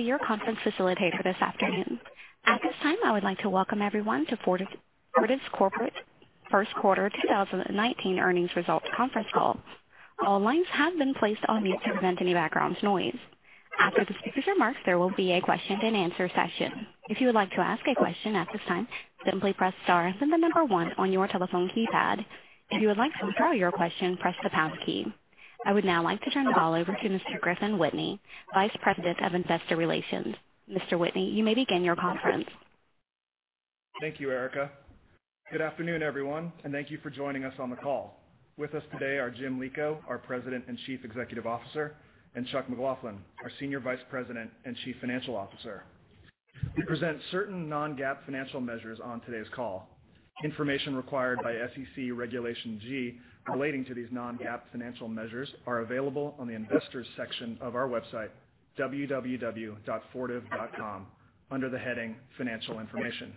My name is Erica, and I will be your conference facilitator this afternoon. At this time, I would like to welcome everyone to Fortive's Corporate First Quarter 2019 Earnings Results Conference Call. All lines have been placed on mute to prevent any background noise. After the speaker's remarks, there will be a question-and-answer session. If you would like to ask a question at this time, simply press star, then the number one on your telephone keypad. If you would like to withdraw your question, press the pound key. I would now like to turn the call over to Mr. Griffin Whitney, Vice President of Investor Relations. Mr. Whitney, you may begin your conference. Thank you, Erica. Good afternoon, everyone, and thank you for joining us on the call. With us today are Jim Lico, our President and Chief Executive Officer, and Chuck McLaughlin, our Senior Vice President and Chief Financial Officer. We present certain non-GAAP financial measures on today's call. Information required by SEC Regulation G relating to these non-GAAP financial measures are available on the Investors section of our website, www.fortive.com, under the heading Financial Information.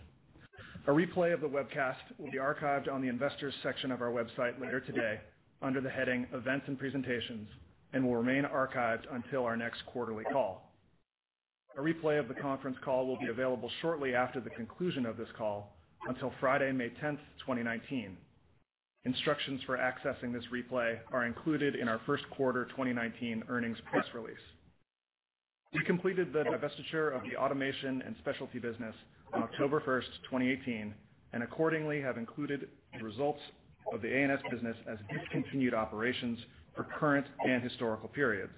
A replay of the webcast will be archived on the Investors section of our website later today under the heading Events and Presentations and will remain archived until our next quarterly call. A replay of the conference call will be available shortly after the conclusion of this call until Friday, May 10th, 2019. Instructions for accessing this replay are included in our first quarter 2019 earnings press release. We completed the divestiture of the Automation & Specialty business on October 1st, 2018, and accordingly have included the results of the A&S business as discontinued operations for current and historical periods.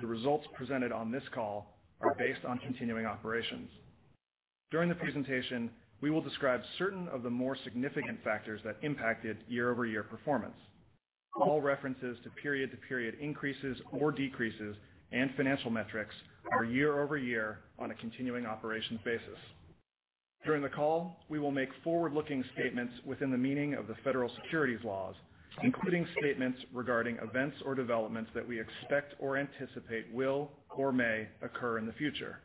The results presented on this call are based on continuing operations. During the presentation, we will describe certain of the more significant factors that impacted year-over-year performance. All references to period-to-period increases or decreases and financial metrics are year-over-year on a continuing operations basis. During the call, we will make forward-looking statements within the meaning of the federal securities laws, including statements regarding events or developments that we expect or anticipate will or may occur in the future.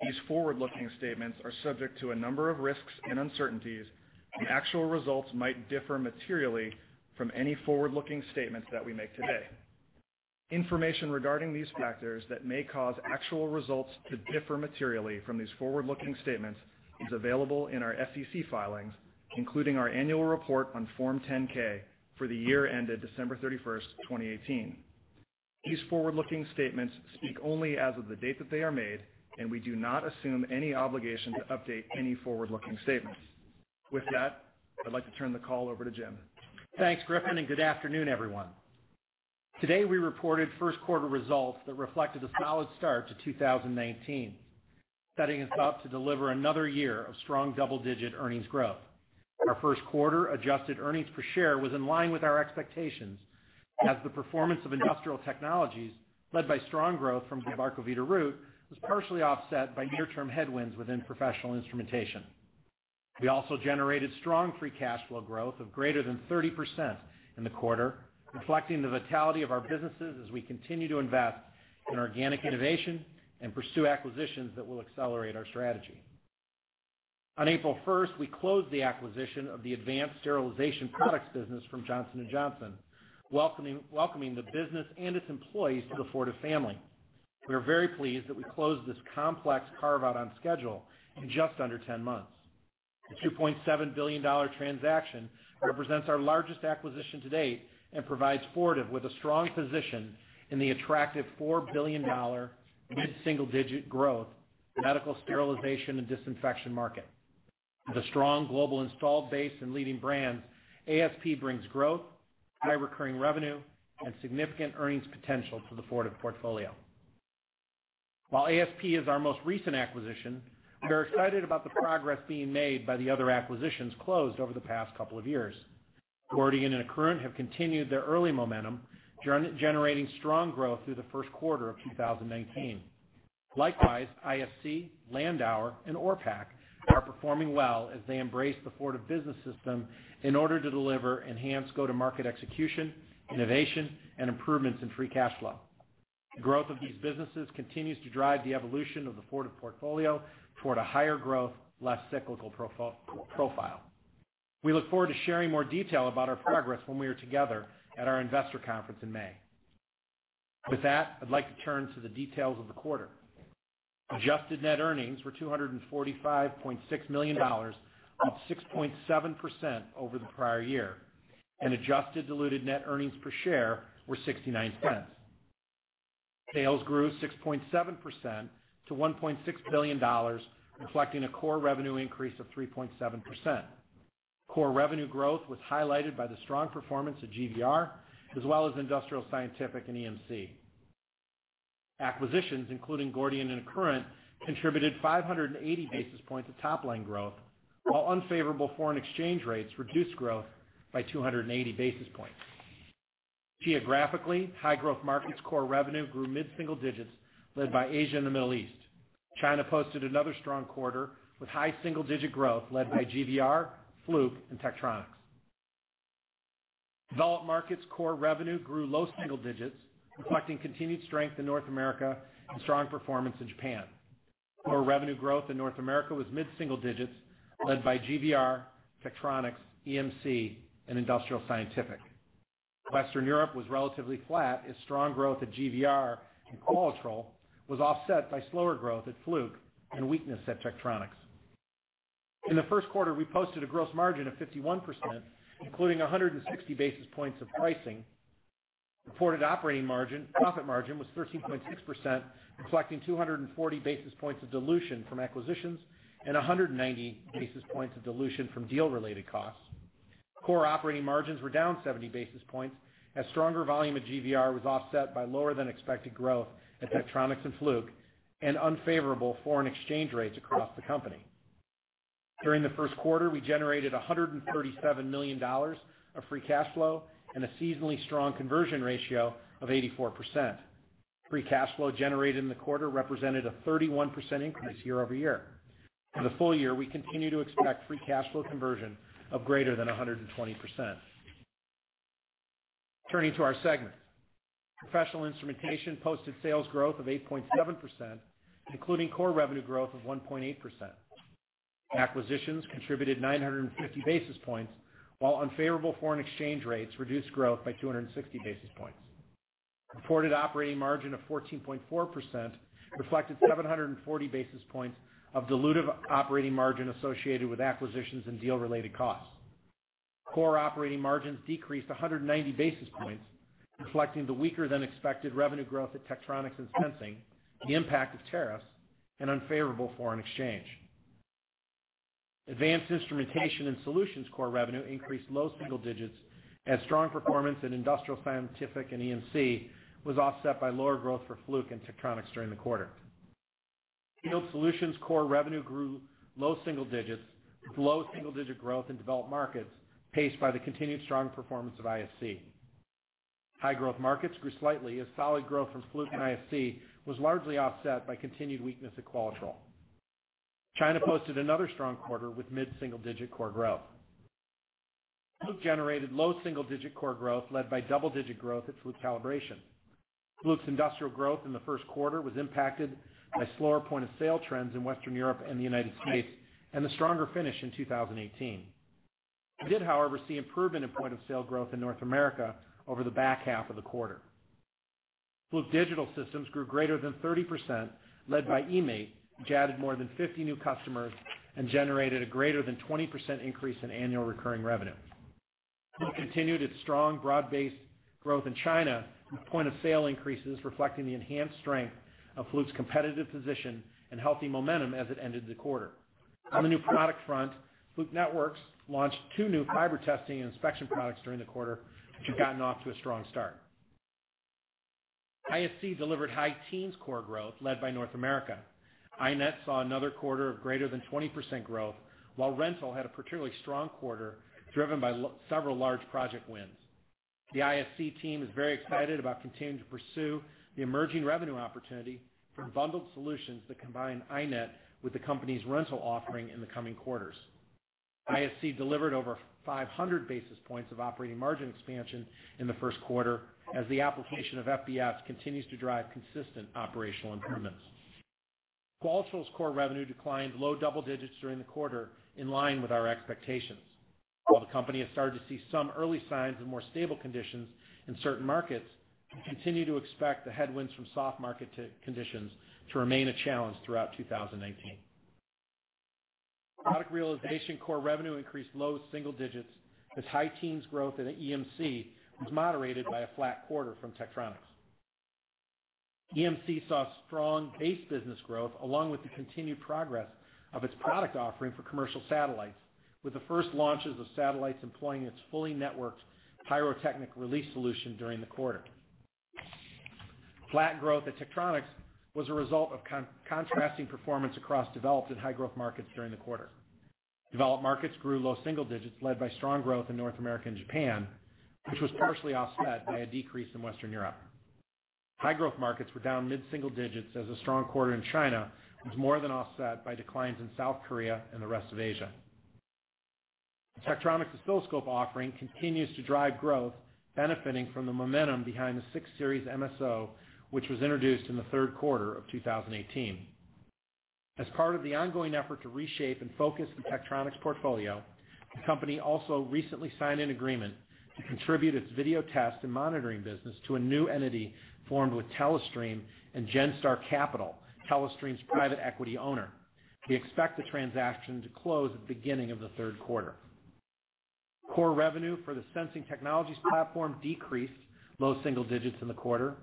These forward-looking statements are subject to a number of risks and uncertainties, and actual results might differ materially from any forward-looking statements that we make today. Information regarding these factors that may cause actual results to differ materially from these forward-looking statements is available in our SEC filings, including our annual report on Form 10-K for the year ended December 31st, 2018. These forward-looking statements speak only as of the date that they are made, and we do not assume any obligation to update any forward-looking statements. With that, I'd like to turn the call over to Jim. Thanks, Griffin, and good afternoon, everyone. Today, we reported first-quarter results that reflected a solid start to 2019, setting us up to deliver another year of strong double-digit earnings growth. Our first quarter adjusted earnings per share was in line with our expectations as the performance of Industrial Technologies, led by strong growth from Gilbarco Veeder-Root, was partially offset by near-term headwinds within Professional Instrumentation. We also generated strong free cash flow growth of greater than 30% in the quarter, reflecting the vitality of our businesses as we continue to invest in organic innovation and pursue acquisitions that will accelerate our strategy. On April 1st, we closed the acquisition of the Advanced Sterilization Products business from Johnson & Johnson, welcoming the business and its employees to the Fortive family. We are very pleased that we closed this complex carve-out on schedule in just under 10 months. The $2.7 billion transaction represents our largest acquisition to date and provides Fortive with a strong position in the attractive $4 billion, mid-single digit growth medical sterilization and disinfection market. With a strong global installed base and leading brands, ASP brings growth, high recurring revenue, and significant earnings potential to the Fortive portfolio. While ASP is our most recent acquisition, we are excited about the progress being made by the other acquisitions closed over the past couple of years. Gordian and Accruent have continued their early momentum, generating strong growth through the first quarter of 2019. Likewise, ISC, Landauer, and Orpak are performing well as they embrace the Fortive Business System in order to deliver enhanced go-to-market execution, innovation, and improvements in free cash flow. The growth of these businesses continues to drive the evolution of the Fortive portfolio toward a higher growth, less cyclical profile. We look forward to sharing more detail about our progress when we are together at our investor conference in May. I'd like to turn to the details of the quarter. Adjusted net earnings were $245.6 million, up 6.7% over the prior year, and adjusted diluted net earnings per share were $0.69. Sales grew 6.7% to $1.6 billion, reflecting a core revenue increase of 3.7%. Core revenue growth was highlighted by the strong performance of GVR, as well as Industrial Scientific and EMC. Acquisitions, including Gordian and Accruent, contributed 580 basis points of top-line growth, while unfavorable foreign exchange rates reduced growth by 280 basis points. Geographically, high-growth markets core revenue grew mid-single digits, led by Asia and the Middle East. China posted another strong quarter, with high single-digit growth led by GVR, Fluke, and Tektronix. Developed markets core revenue grew low single digits, reflecting continued strength in North America and strong performance in Japan. Core revenue growth in North America was mid-single digits, led by GVR, Tektronix, EMC, and Industrial Scientific. Western Europe was relatively flat as strong growth at GVR and Qualitrol was offset by slower growth at Fluke and weakness at Tektronix. In the first quarter, we posted a gross margin of 51%, including 160 basis points of pricing. Reported operating margin, profit margin, was 13.6%, reflecting 240 basis points of dilution from acquisitions and 190 basis points of dilution from deal-related costs. Core operating margins were down 70 basis points as stronger volume at GVR was offset by lower than expected growth at Tektronix and Fluke, and unfavorable foreign exchange rates across the company. During the first quarter, we generated $137 million of free cash flow and a seasonally strong conversion ratio of 84%. Free cash flow generated in the quarter represented a 31% increase year-over-year. For the full-year, we continue to expect free cash flow conversion of greater than 120%. Turning to our segments. Professional Instrumentation posted sales growth of 8.7%, including core revenue growth of 1.8%. Acquisitions contributed 950 basis points, while unfavorable foreign exchange rates reduced growth by 260 basis points. Reported operating margin of 14.4% reflected 740 basis points of dilutive operating margin associated with acquisitions and deal-related costs. Core operating margins decreased 190 basis points, reflecting the weaker than expected revenue growth at Tektronix and Sensing, the impact of tariffs, and unfavorable foreign exchange. Advanced Instrumentation and Solutions core revenue increased low single digits as strong performance in Industrial Scientific and EMC was offset by lower growth for Fluke and Tektronix during the quarter. Field Solutions core revenue grew low single digits, with low single-digit growth in developed markets, paced by the continued strong performance of ISC. High-growth markets grew slightly as solid growth from Fluke and ISC was largely offset by continued weakness at Qualitrol. China posted another strong quarter with mid-single-digit core growth. Fluke generated low single-digit core growth led by double-digit growth at Fluke Calibration. Fluke's industrial growth in the first quarter was impacted by slower point-of-sale trends in Western Europe and the U.S., and the stronger finish in 2018. We did, however, see improvement in point-of-sale growth in North America over the back half of the quarter. Fluke Digital Systems grew greater than 30%, led by eMaint, which added more than 50 new customers and generated a greater than 20% increase in annual recurring revenue. Fluke continued its strong broad-based growth in China, with point-of-sale increases reflecting the enhanced strength of Fluke's competitive position and healthy momentum as it ended the quarter. On the new product front, Fluke Networks launched two new fiber testing and inspection products during the quarter, which have gotten off to a strong start. ISC delivered high teens core growth led by North America. iNet saw another quarter of greater than 20% growth, while Rental had a particularly strong quarter driven by several large project wins. The ISC team is very excited about continuing to pursue the emerging revenue opportunity for bundled solutions that combine iNet with the company's rental offering in the coming quarters. ISC delivered over 500 basis points of operating margin expansion in the first quarter as the application of FBS continues to drive consistent operational improvements. Qualitrol's core revenue declined low double digits during the quarter, in line with our expectations. While the company has started to see some early signs of more stable conditions in certain markets, we continue to expect the headwinds from soft market conditions to remain a challenge throughout 2019. Product Realization core revenue increased low single digits as high teens growth in EMC was moderated by a flat quarter from Tektronix. EMC saw strong base business growth along with the continued progress of its product offering for commercial satellites, with the first launches of satellites employing its fully networked pyrotechnic release solution during the quarter. Flat growth at Tektronix was a result of contrasting performance across developed and high-growth markets during the quarter. Developed markets grew low single digits led by strong growth in North America and Japan, which was partially offset by a decrease in Western Europe. High-growth markets were down mid-single digits as a strong quarter in China was more than offset by declines in South Korea and the rest of Asia. Tektronix's oscilloscope offering continues to drive growth benefiting from the momentum behind the 6 Series MSO, which was introduced in the third quarter of 2018. As part of the ongoing effort to reshape and focus the Tektronix portfolio, the company also recently signed an agreement to contribute its video test and monitoring business to a new entity formed with Telestream and Genstar Capital, Telestream's private equity owner. We expect the transaction to close at the beginning of the third quarter. Core revenue for the Sensing Technologies platform decreased low single digits in the quarter.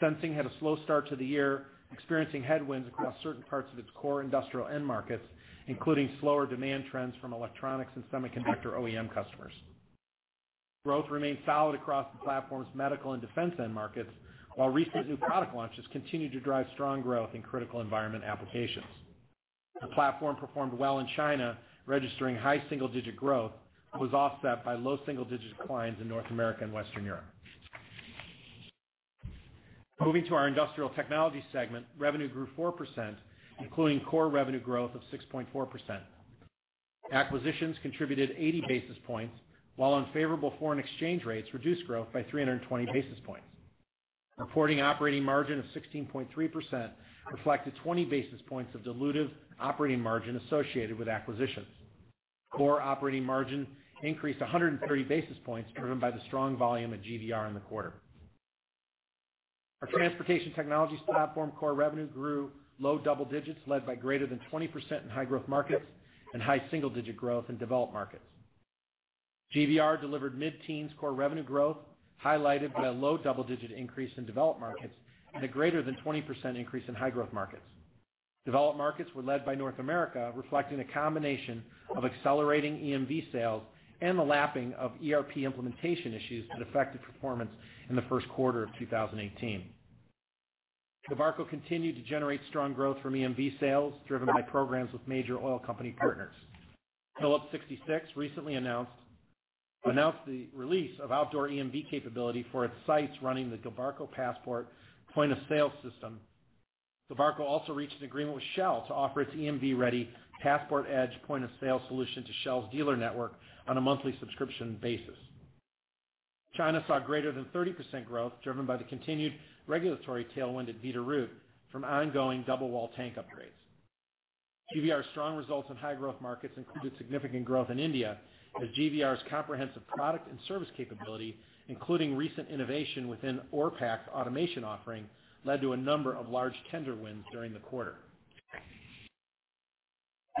Sensing had a slow start to the year, experiencing headwinds across certain parts of its core industrial end markets, including slower demand trends from electronics and semiconductor OEM customers. Growth remained solid across the platform's medical and defense end markets, while recent new product launches continued to drive strong growth in critical environment applications. The platform performed well in China, registering high single-digit growth, was offset by low single-digit declines in North America and Western Europe. Moving to our Industrial Technologies segment, revenue grew 4%, including core revenue growth of 6.4%. Acquisitions contributed 80 basis points, while unfavorable foreign exchange rates reduced growth by 320 basis points. Reporting operating margin of 16.3% reflected 20 basis points of dilutive operating margin associated with acquisitions. Core operating margin increased 130 basis points driven by the strong volume of GVR in the quarter. Our Transportation Technologies platform core revenue grew low double digits led by greater than 20% in high-growth markets and high single-digit growth in developed markets. GVR delivered mid-teens core revenue growth highlighted by a low double-digit increase in developed markets and a greater than 20% increase in high-growth markets. Developed markets were led by North America, reflecting a combination of accelerating EMV sales and the lapping of ERP implementation issues that affected performance in the first quarter of 2018. Gilbarco continued to generate strong growth from EMV sales driven by programs with major oil company partners. Phillips 66 recently announced the release of outdoor EMV capability for its sites running the Gilbarco Passport point-of-sale system. Gilbarco also reached an agreement with Shell to offer its EMV-ready Passport Edge point-of-sale solution to Shell's dealer network on a monthly subscription basis. China saw greater than 30% growth driven by the continued regulatory tailwind at Veeder-Root from ongoing double wall tank upgrades. GVR's strong results in high-growth markets included significant growth in India as GVR's comprehensive product and service capability, including recent innovation within Orpak automation offering, led to a number of large tender wins during the quarter.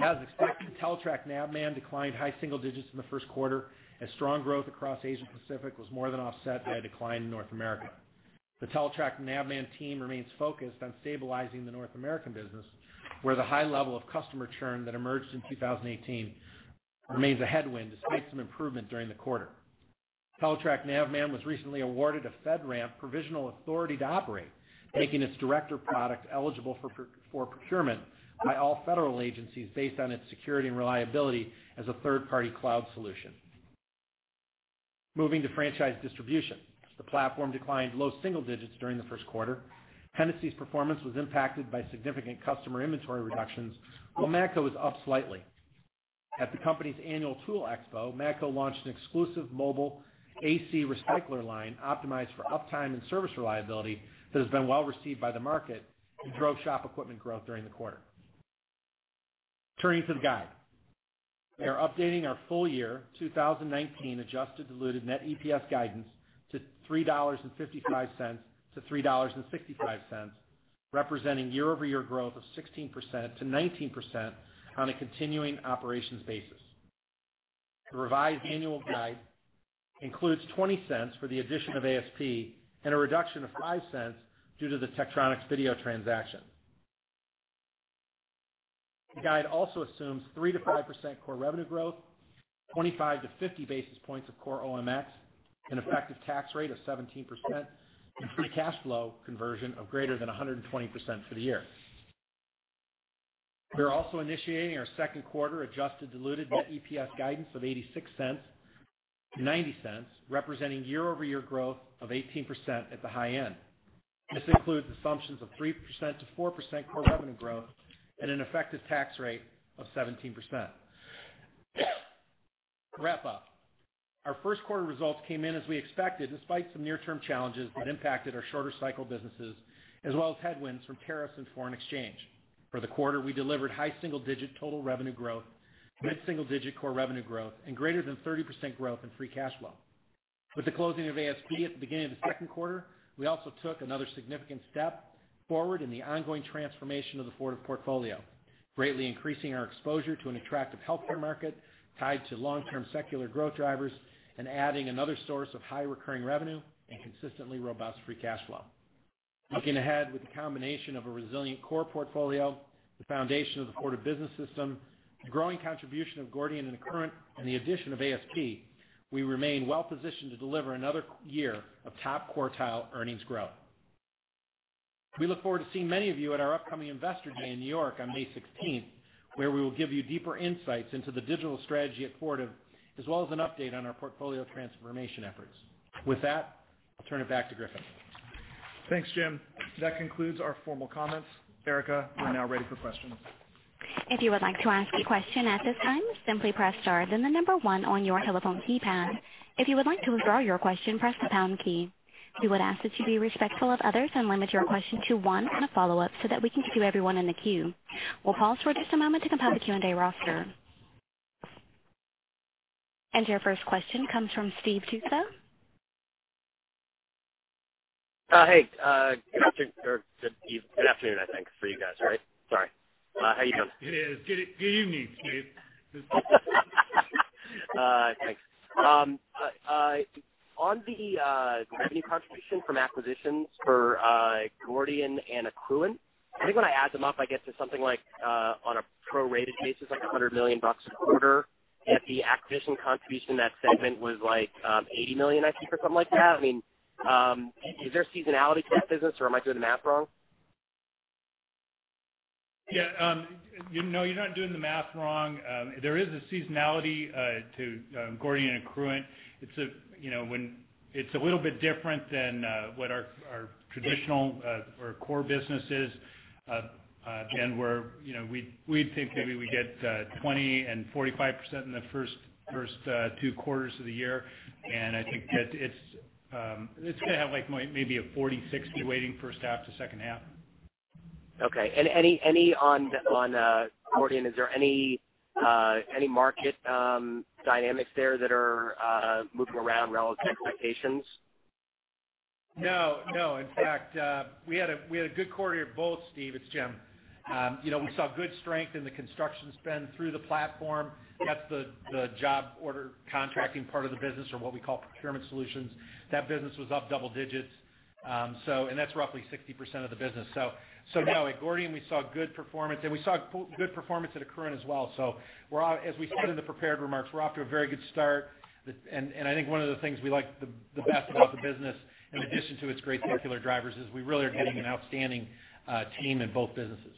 As expected, Teletrac Navman declined high single digits in the first quarter as strong growth across Asia Pacific was more than offset by a decline in North America. The Teletrac Navman team remains focused on stabilizing the North American business, where the high level of customer churn that emerged in 2018 remains a headwind despite some improvement during the quarter. Teletrac Navman was recently awarded a FedRAMP provisional authority to operate, making its Director product eligible for procurement by all federal agencies based on its security and reliability as a third-party cloud solution. Moving to Franchise Distribution. The platform declined low single digits during the first quarter. Hennessy's performance was impacted by significant customer inventory reductions, while Matco was up slightly. At the company's annual tool expo, Matco launched an exclusive mobile AC recycler line optimized for uptime and service reliability that has been well received by the market and drove shop equipment growth during the quarter. Turning to the guide. We are updating our full year 2019 adjusted diluted net EPS guidance to $3.55-$3.65, representing year-over-year growth of 16%-19% on a continuing operations basis. The revised annual guide includes $0.20 for the addition of ASP and a reduction of $0.05 due to the Tektronix video transaction. The guide also assumes 3%-5% core revenue growth, 25-50 basis points of core OMX, an effective tax rate of 17%, and free cash flow conversion of greater than 120% for the year. We are also initiating our second quarter adjusted diluted net EPS guidance of $0.86-$0.90, representing year-over-year growth of 18% at the high end. This includes assumptions of 3%-4% core revenue growth and an effective tax rate of 17%. To wrap up, our first quarter results came in as we expected despite some near-term challenges that impacted our shorter cycle businesses as well as headwinds from tariffs and foreign exchange. For the quarter, we delivered high single-digit total revenue growth, mid-single digit core revenue growth, and greater than 30% growth in free cash flow. With the closing of ASP at the beginning of the second quarter, we also took another significant step forward in the ongoing transformation of the Fortive portfolio, greatly increasing our exposure to an attractive healthcare market tied to long-term secular growth drivers, and adding another source of high recurring revenue and consistently robust free cash flow. Looking ahead with the combination of a resilient core portfolio, the foundation of the Fortive Business System, the growing contribution of Gordian and Accruent, and the addition of ASP, we remain well-positioned to deliver another year of top-quartile earnings growth. We look forward to seeing many of you at our upcoming Investor Day in New York on May 16th, where we will give you deeper insights into the digital strategy at Fortive, as well as an update on our portfolio transformation efforts. With that, I'll turn it back to Griffin. Thanks, Jim. That concludes our formal comments. Erica, we're now ready for questions. If you would like to ask a question at this time, simply press star then the number one on your telephone keypad. If you would like to withdraw your question, press the pound key. We would ask that you be respectful of others and limit your question to one and a follow-up so that we can get to everyone in the queue. We'll pause for just a moment to compile the Q&A roster. Your first question comes from Steve Tusa. Hey. Good afternoon, I think, for you guys, right? Sorry. How you doing? It is. Good evening, Steve. Thanks. On the revenue contribution from acquisitions for Gordian and Accruent, I think when I add them up, I get to something like, on a prorated basis, like $100 million a quarter, yet the acquisition contribution in that segment was like $80 million, I think, or something like that. Is there seasonality to that business, or am I doing the math wrong? Yeah. No, you're not doing the math wrong. There is a seasonality to Gordian and Accruent. It's a little bit different than what our traditional or core business is. We think maybe we get 20% and 45% in the first two quarters of the year, I think that it's going to have maybe a 40-60 weighting first half to second half. Okay. Any on Gordian, is there any market dynamics there that are moving around relative to expectations? No. In fact, we had a good quarter at both, Steve. It's Jim. We saw good strength in the construction spend through the platform. That's the job order contracting part of the business or what we call procurement solutions. That business was up double digits. That's roughly 60% of the business. No, at Gordian, we saw good performance, and we saw good performance at Accruent as well. As we said in the prepared remarks, we're off to a very good start. I think one of the things we like the best about the business, in addition to its great secular drivers, is we really are getting an outstanding team in both businesses.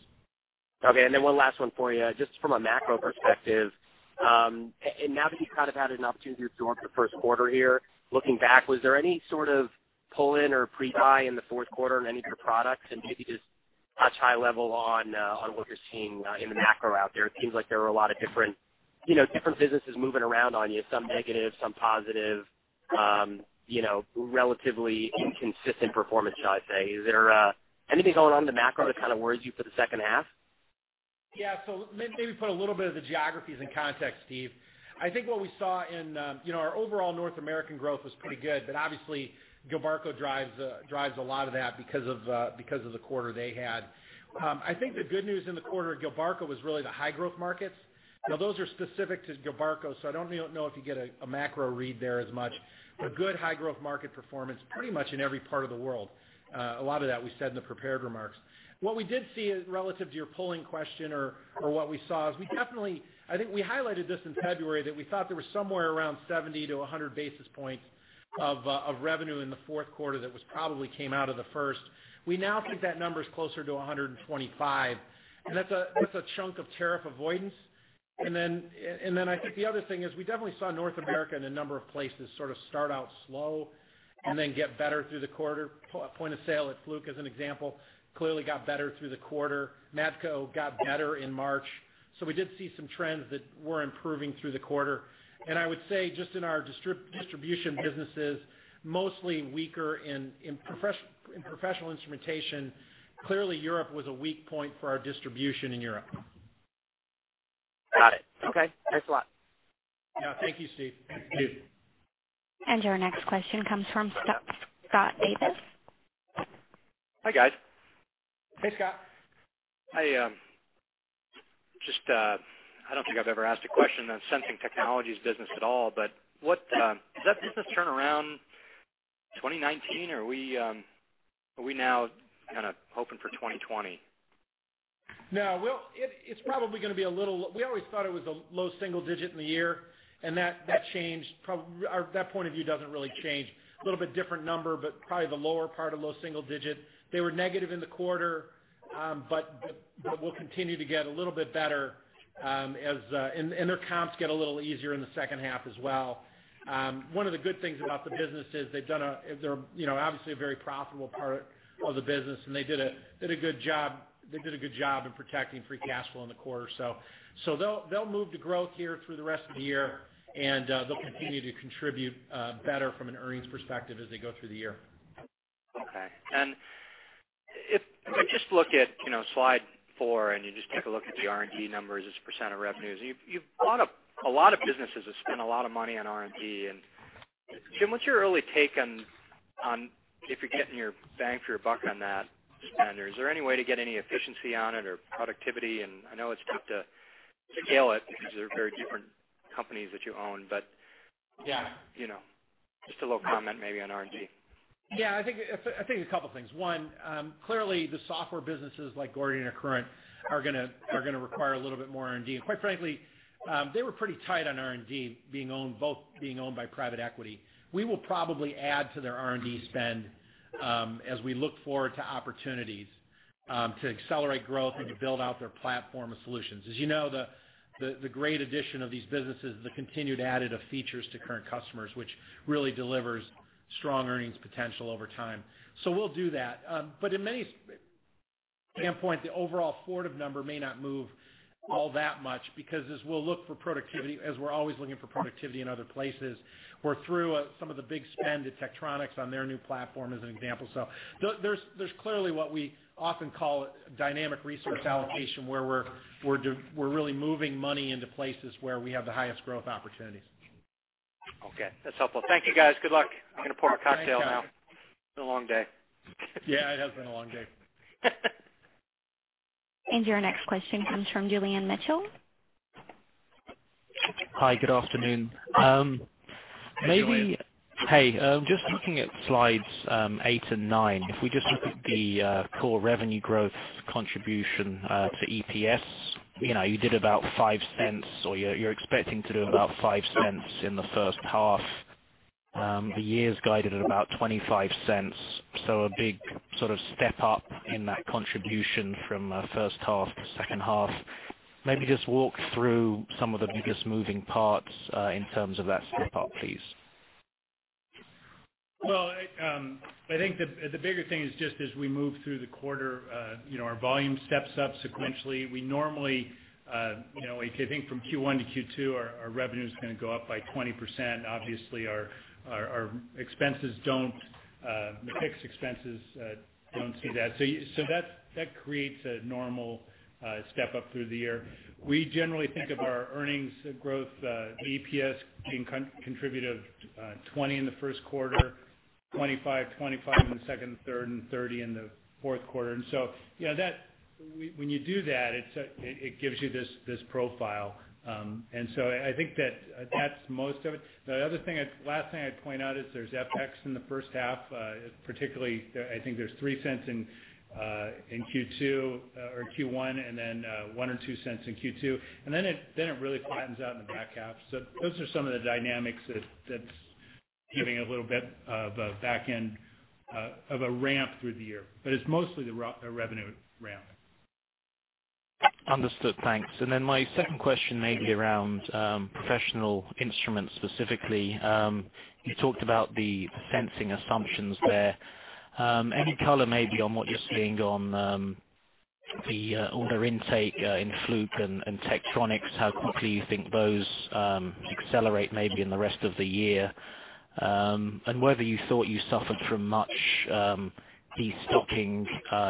Okay, one last one for you, just from a macro perspective. Now that you've kind of had an opportunity to absorb the first quarter here, looking back, was there any sort of pull-in or pre-buy in the fourth quarter on any of your products? Maybe just touch high level on what you're seeing in the macro out there. It seems like there are a lot of different businesses moving around on you, some negative, some positive. Relatively inconsistent performance, shall I say. Is there anything going on in the macro that kind of worries you for the second half? Yeah. Maybe put a little bit of the geographies in context, Steve. I think what we saw in our overall North American growth was pretty good, but obviously Gilbarco drives a lot of that because of the quarter they had. I think the good news in the quarter at Gilbarco was really the high growth markets. Those are specific to Gilbarco, so I don't know if you get a macro read there as much, but good high growth market performance pretty much in every part of the world. A lot of that we said in the prepared remarks. What we did see relative to your polling question or what we saw, I think we highlighted this in February, that we thought there was somewhere around 70 to 100 basis points of revenue in the fourth quarter that was probably came out of the first. We now think that number's closer to 125, and that's a chunk of tariff avoidance. I think the other thing is we definitely saw North America in a number of places sort of start out slow and then get better through the quarter. Point of sale at Fluke, as an example, clearly got better through the quarter. Matco got better in March. We did see some trends that were improving through the quarter. I would say just in our distribution businesses, mostly weaker in Professional Instrumentation. Clearly Europe was a weak point for our distribution in Europe. Got it. Okay. Thanks a lot. Yeah. Thank you, Steve. Thanks, Steve. Your next question comes from Scott Davis. Hi, guys. Hey, Scott. I don't think I've ever asked a question on Sensing Technologies business at all. Does that business turn around 2019? Are we now kind of hoping for 2020? No. We always thought it was a low single-digit in the year. That point of view doesn't really change. A little bit different number, probably the lower part of low single-digit. They were negative in the quarter, will continue to get a little bit better. Their comps get a little easier in the second half as well. One of the good things about the business is they're obviously a very profitable part of the business. They did a good job in protecting free cash flow in the quarter. They'll move to growth here through the rest of the year. They'll continue to contribute better from an earnings perspective as they go through the year. Okay. If you just look at slide four, you just take a look at the R&D numbers as % of revenues. A lot of businesses have spent a lot of money on R&D. Jim, what's your early take on if you're getting your bang for your buck on that spend? Is there any way to get any efficiency on it or productivity? I know it's tough to scale it because they're very different companies that you own. Yeah Just a little comment maybe on R&D. I think a couple things. One, clearly the software businesses like Gordian and Accruent are going to require a little bit more R&D, and quite frankly, they were pretty tight on R&D, both being owned by private equity. We will probably add to their R&D spend as we look forward to opportunities to accelerate growth and to build out their platform of solutions. As you know, the great addition of these businesses is the continued additive features to current customers, which really delivers strong earnings potential over time. We'll do that. In many standpoint, the overall Fortive number may not move all that much because as we'll look for productivity, as we're always looking for productivity in other places, or through some of the big spend at Tektronix on their new platform, as an example. There's clearly what we often call dynamic resource allocation, where we're really moving money into places where we have the highest growth opportunities. That's helpful. Thank you, guys. Good luck. I'm going to pour a cocktail now. It's been a long day. It has been a long day. Your next question comes from Julian Mitchell. Hi. Good afternoon. Hey, Julian. Hey, just looking at slides eight and nine. If we just look at the core revenue growth contribution to EPS, you did about $0.05 or you're expecting to do about $0.05 in the first half. The year is guided at about $0.25. A big sort of step-up in that contribution from first half to second half. Maybe just walk through some of the biggest moving parts in terms of that step-up, please. I think the bigger thing is just as we move through the quarter, our volume steps up sequentially. We normally, I think from Q1 to Q2, our revenue is going to go up by 20%. Obviously, our fixed expenses don't see that. That creates a normal step-up through the year. We generally think of our earnings growth, EPS being contributed 20 in the first quarter, 25 in the second and third, and 30 in the fourth quarter. When you do that, it gives you this profile. I think that's most of it. The other thing, last thing I'd point out is there's FX in the first half, particularly I think there's $0.03 in Q2 or Q1, and then $0.01 or $0.02 in Q2, and then it really flattens out in the back half. Those are some of the dynamics that's giving a little bit of a back end of a ramp through the year, but it's mostly the revenue ramp. Understood. Thanks. My second question may be around Professional Instrumentation, specifically. You talked about the sensing assumptions there. Any color maybe on what you're seeing on the order intake in Fluke and Tektronix, how quickly you think those accelerate maybe in the rest of the year, and whether you thought you suffered from much destocking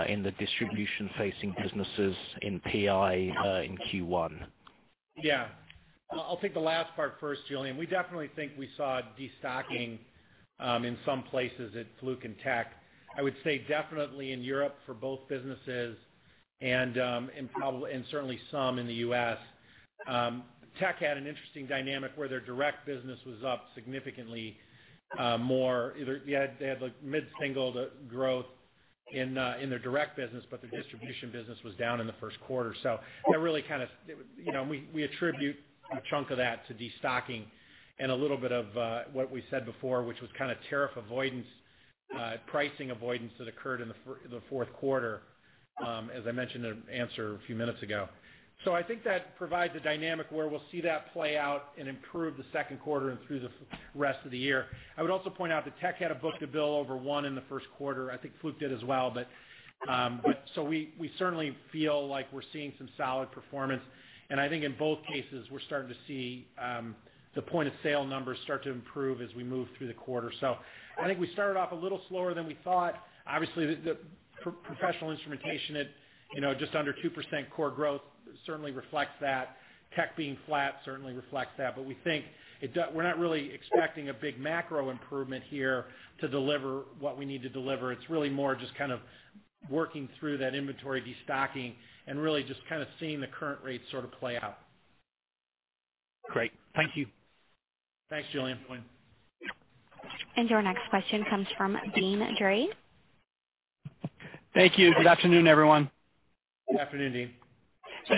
in the distribution-facing businesses in PI in Q1? I'll take the last part first, Julian. We definitely think we saw destocking in some places at Fluke and Tech. I would say definitely in Europe for both businesses and certainly some in the U.S. Tech had an interesting dynamic where their direct business was up significantly more. They had like mid-single growth in their direct business, but their distribution business was down in the first quarter. We attribute a chunk of that to destocking and a little bit of what we said before, which was kind of tariff avoidance, pricing avoidance that occurred in the fourth quarter, as I mentioned in an answer a few minutes ago. I think that provides a dynamic where we'll see that play out and improve the second quarter and through the rest of the year. I would also point out that Tech had a book-to-bill over one in the first quarter. I think Fluke did as well. We certainly feel like we're seeing some solid performance, and I think in both cases, we're starting to see the point of sale numbers start to improve as we move through the quarter. I think we started off a little slower than we thought. Obviously, the Professional Instrumentation at just under 2% core growth certainly reflects that. Tech being flat certainly reflects that. We're not really expecting a big macro improvement here to deliver what we need to deliver. It's really more just kind of working through that inventory destocking and really just kind of seeing the current rates sort of play out. Great. Thank you. Thanks, Julian. Your next question comes from Deane Dray. Thank you. Good afternoon, everyone. Good afternoon, Deane.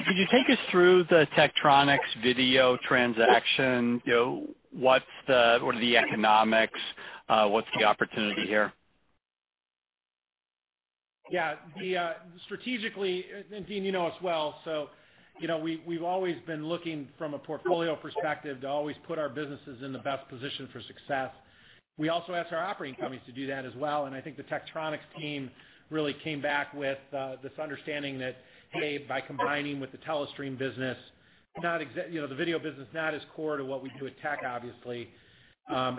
Could you take us through the Tektronix video transaction? What are the economics? What's the opportunity here? Strategically, Deane, you know us well. We've always been looking from a portfolio perspective to always put our businesses in the best position for success. We also ask our operating companies to do that as well, and I think the Tektronix team really came back with this understanding that, hey, by combining with the Telestream business, the video business, not as core to what we do at Tech, obviously.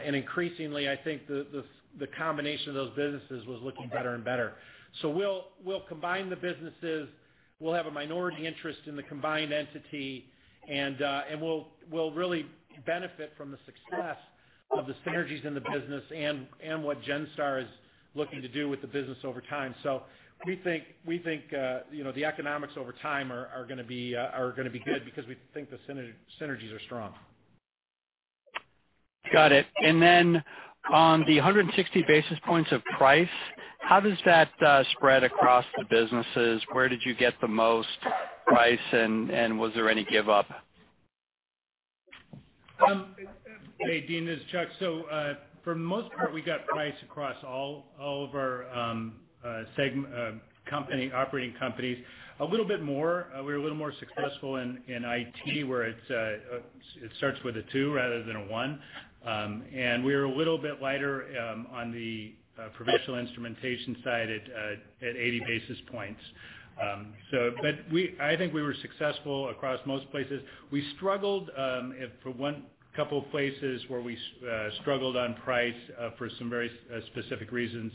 Increasingly, I think the combination of those businesses was looking better and better. We'll combine the businesses, we'll have a minority interest in the combined entity, and we'll really benefit from the success of the synergies in the business and what Genstar is looking to do with the business over time. We think the economics over time are going to be good because we think the synergies are strong. Got it. On the 160 basis points of price, how does that spread across the businesses? Where did you get the most price, and was there any give up? Hey, Deane, this is Chuck. For the most part, we got price across all of our operating companies. We were a little more successful in IT, where it starts with a two rather than a one. We were a little bit lighter on the Professional Instrumentation side at 80 basis points. I think we were successful across most places. For one couple of places where we struggled on price for some very specific reasons.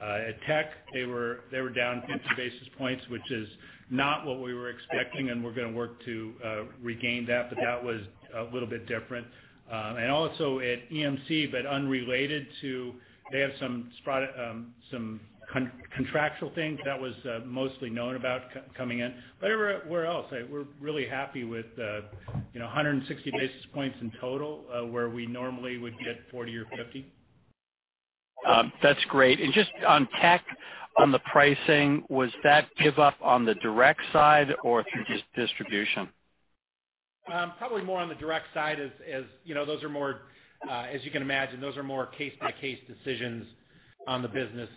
At Tech, they were down 50 basis points, which is not what we were expecting, and we're going to work to regain that. That was a little bit different. Also at EMC, but unrelated to, they have some contractual things that was mostly known about coming in. Where else? We're really happy with 160 basis points in total, where we normally would get 40 or 50. That's great. Just on Tech, on the pricing, was that give up on the direct side or through distribution? Probably more on the direct side. As you can imagine, those are more case-by-case decisions on the business.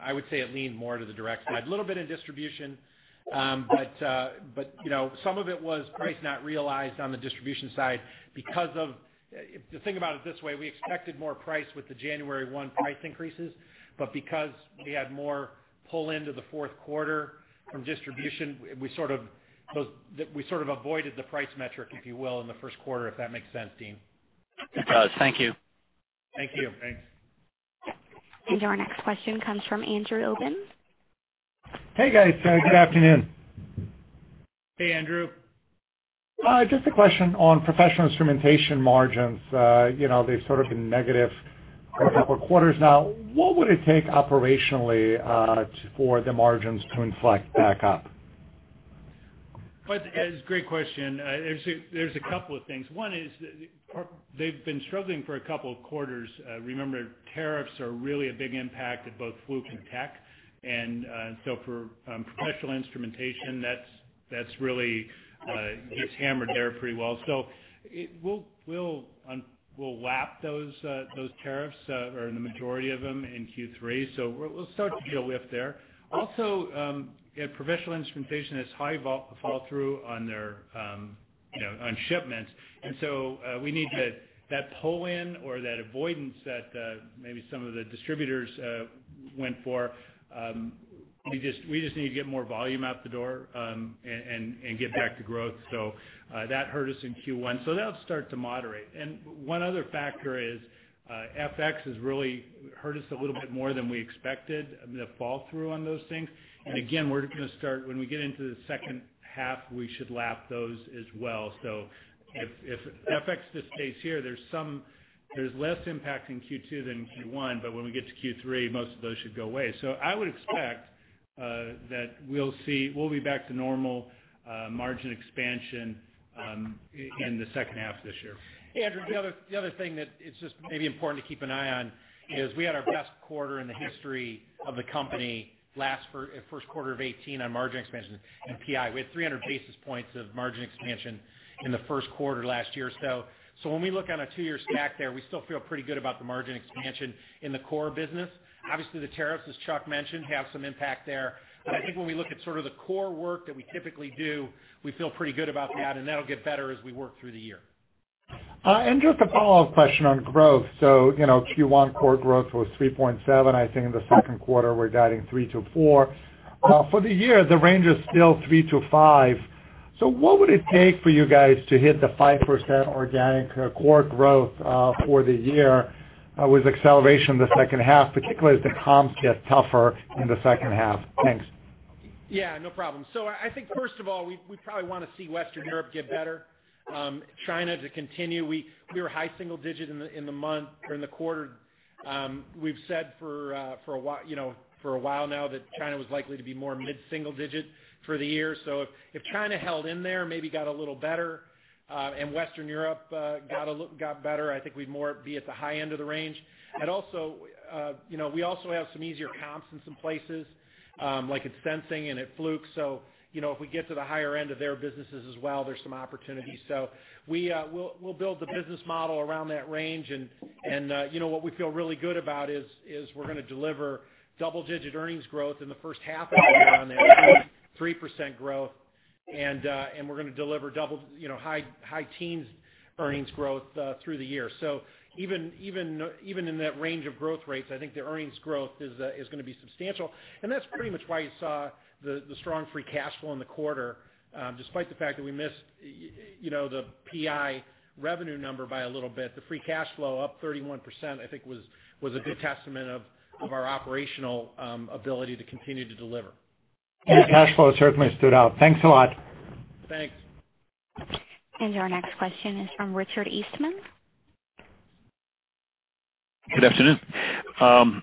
I would say it leaned more to the direct side. A little bit in distribution. Some of it was price not realized on the distribution side. Think about it this way, we expected more price with the January 1 price increases, because we had more pull into the fourth quarter from distribution, we sort of avoided the price metric, if you will, in the first quarter, if that makes sense, Deane. It does. Thank you. Thank you. Thanks. Our next question comes from Andrew Obin. Hey, guys. Good afternoon. Hey, Andrew. Just a question on Professional Instrumentation margins. They've sort of been negative for a couple of quarters now. What would it take operationally for the margins to inflect back up? It's a great question. There's a couple of things. One is, they've been struggling for a couple of quarters. Remember, tariffs are really a big impact at both Fluke and Tech. For Professional Instrumentation, that's really gets hammered there pretty well. We'll lap those tariffs, or the majority of them, in Q3. We'll start to feel lift there. Also, Professional Instrumentation has high fall through on shipments. We need that pull-in or that avoidance that maybe some of the distributors went for. We just need to get more volume out the door, and get back to growth. That hurt us in Q1. That'll start to moderate. One other factor is, FX has really hurt us a little bit more than we expected, the fall through on those things. Again, when we get into the second half, we should lap those as well. If FX just stays here, there's less impact in Q2 than Q1, but when we get to Q3, most of those should go away. I would expect that we'll be back to normal margin expansion in the second half of this year. Andrew, the other thing that is just maybe important to keep an eye on is we had our best quarter in the history of the company first quarter of 2018 on margin expansion and PI. We had 300 basis points of margin expansion in the first quarter last year. When we look on a two-year stack there, we still feel pretty good about the margin expansion in the core business. Obviously, the tariffs, as Chuck mentioned, have some impact there. I think when we look at sort of the core work that we typically do, we feel pretty good about that, and that'll get better as we work through the year. Just a follow-up question on growth. Q1 core growth was 3.7%. I think in the second quarter, we're guiding 3%-4%. For the year, the range is still 3%-5%. What would it take for you guys to hit the 5% organic core growth for the year, with acceleration in the second half, particularly as the comps get tougher in the second half? Thanks. Yeah, no problem. I think first of all, we probably want to see Western Europe get better. China to continue. We were high single digit in the month or in the quarter. We've said for a while now that China was likely to be more mid-single digit for the year. If China held in there, maybe got a little better, and Western Europe got better, I think we'd more be at the high end of the range. We also have some easier comps in some places, like at Sensing and at Fluke. If we get to the higher end of their businesses as well, there's some opportunities. We'll build the business model around that range, and what we feel really good about is we're going to deliver double-digit earnings growth in the first half of the year on that 3% growth. We're going to deliver high teens earnings growth through the year. Even in that range of growth rates, I think the earnings growth is going to be substantial. That's pretty much why you saw the strong free cash flow in the quarter, despite the fact that we missed the PI revenue number by a little bit. The free cash flow up 31%, I think was a good testament of our operational ability to continue to deliver. Free cash flow certainly stood out. Thanks a lot. Thanks. Our next question is from Richard Eastman. Good afternoon.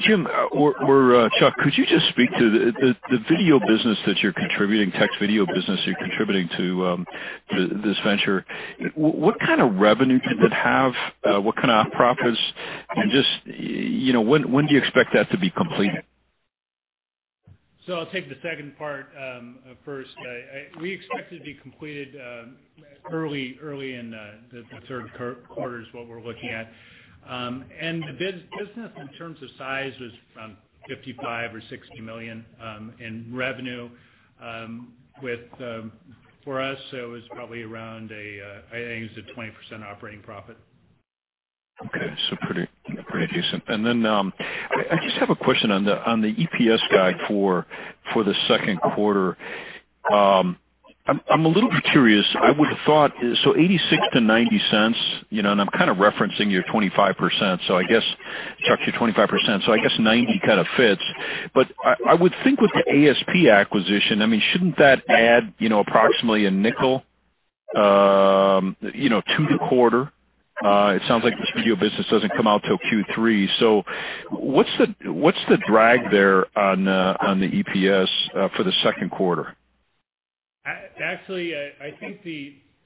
Jim or Chuck, could you just speak to the tech video business you're contributing to this venture. What kind of revenue did that have? What kind of op profits? When do you expect that to be completed? I'll take the second part first. We expect it to be completed early in the third quarter, is what we're looking at. The business, in terms of size, was around $55 million or $60 million in revenue. For us, it was probably around, I think it was a 20% operating profit. Okay. Pretty decent. I just have a question on the EPS guide for the second quarter. I'm a little bit curious. $0.86-$0.90, and I'm kind of referencing your 25%, so I guess, Chuck, your 25%, so I guess $0.90 kind of fits. I would think with the ASP acquisition, shouldn't that add approximately $0.05 to the quarter? It sounds like this video business doesn't come out till Q3. What's the drag there on the EPS for the second quarter? I think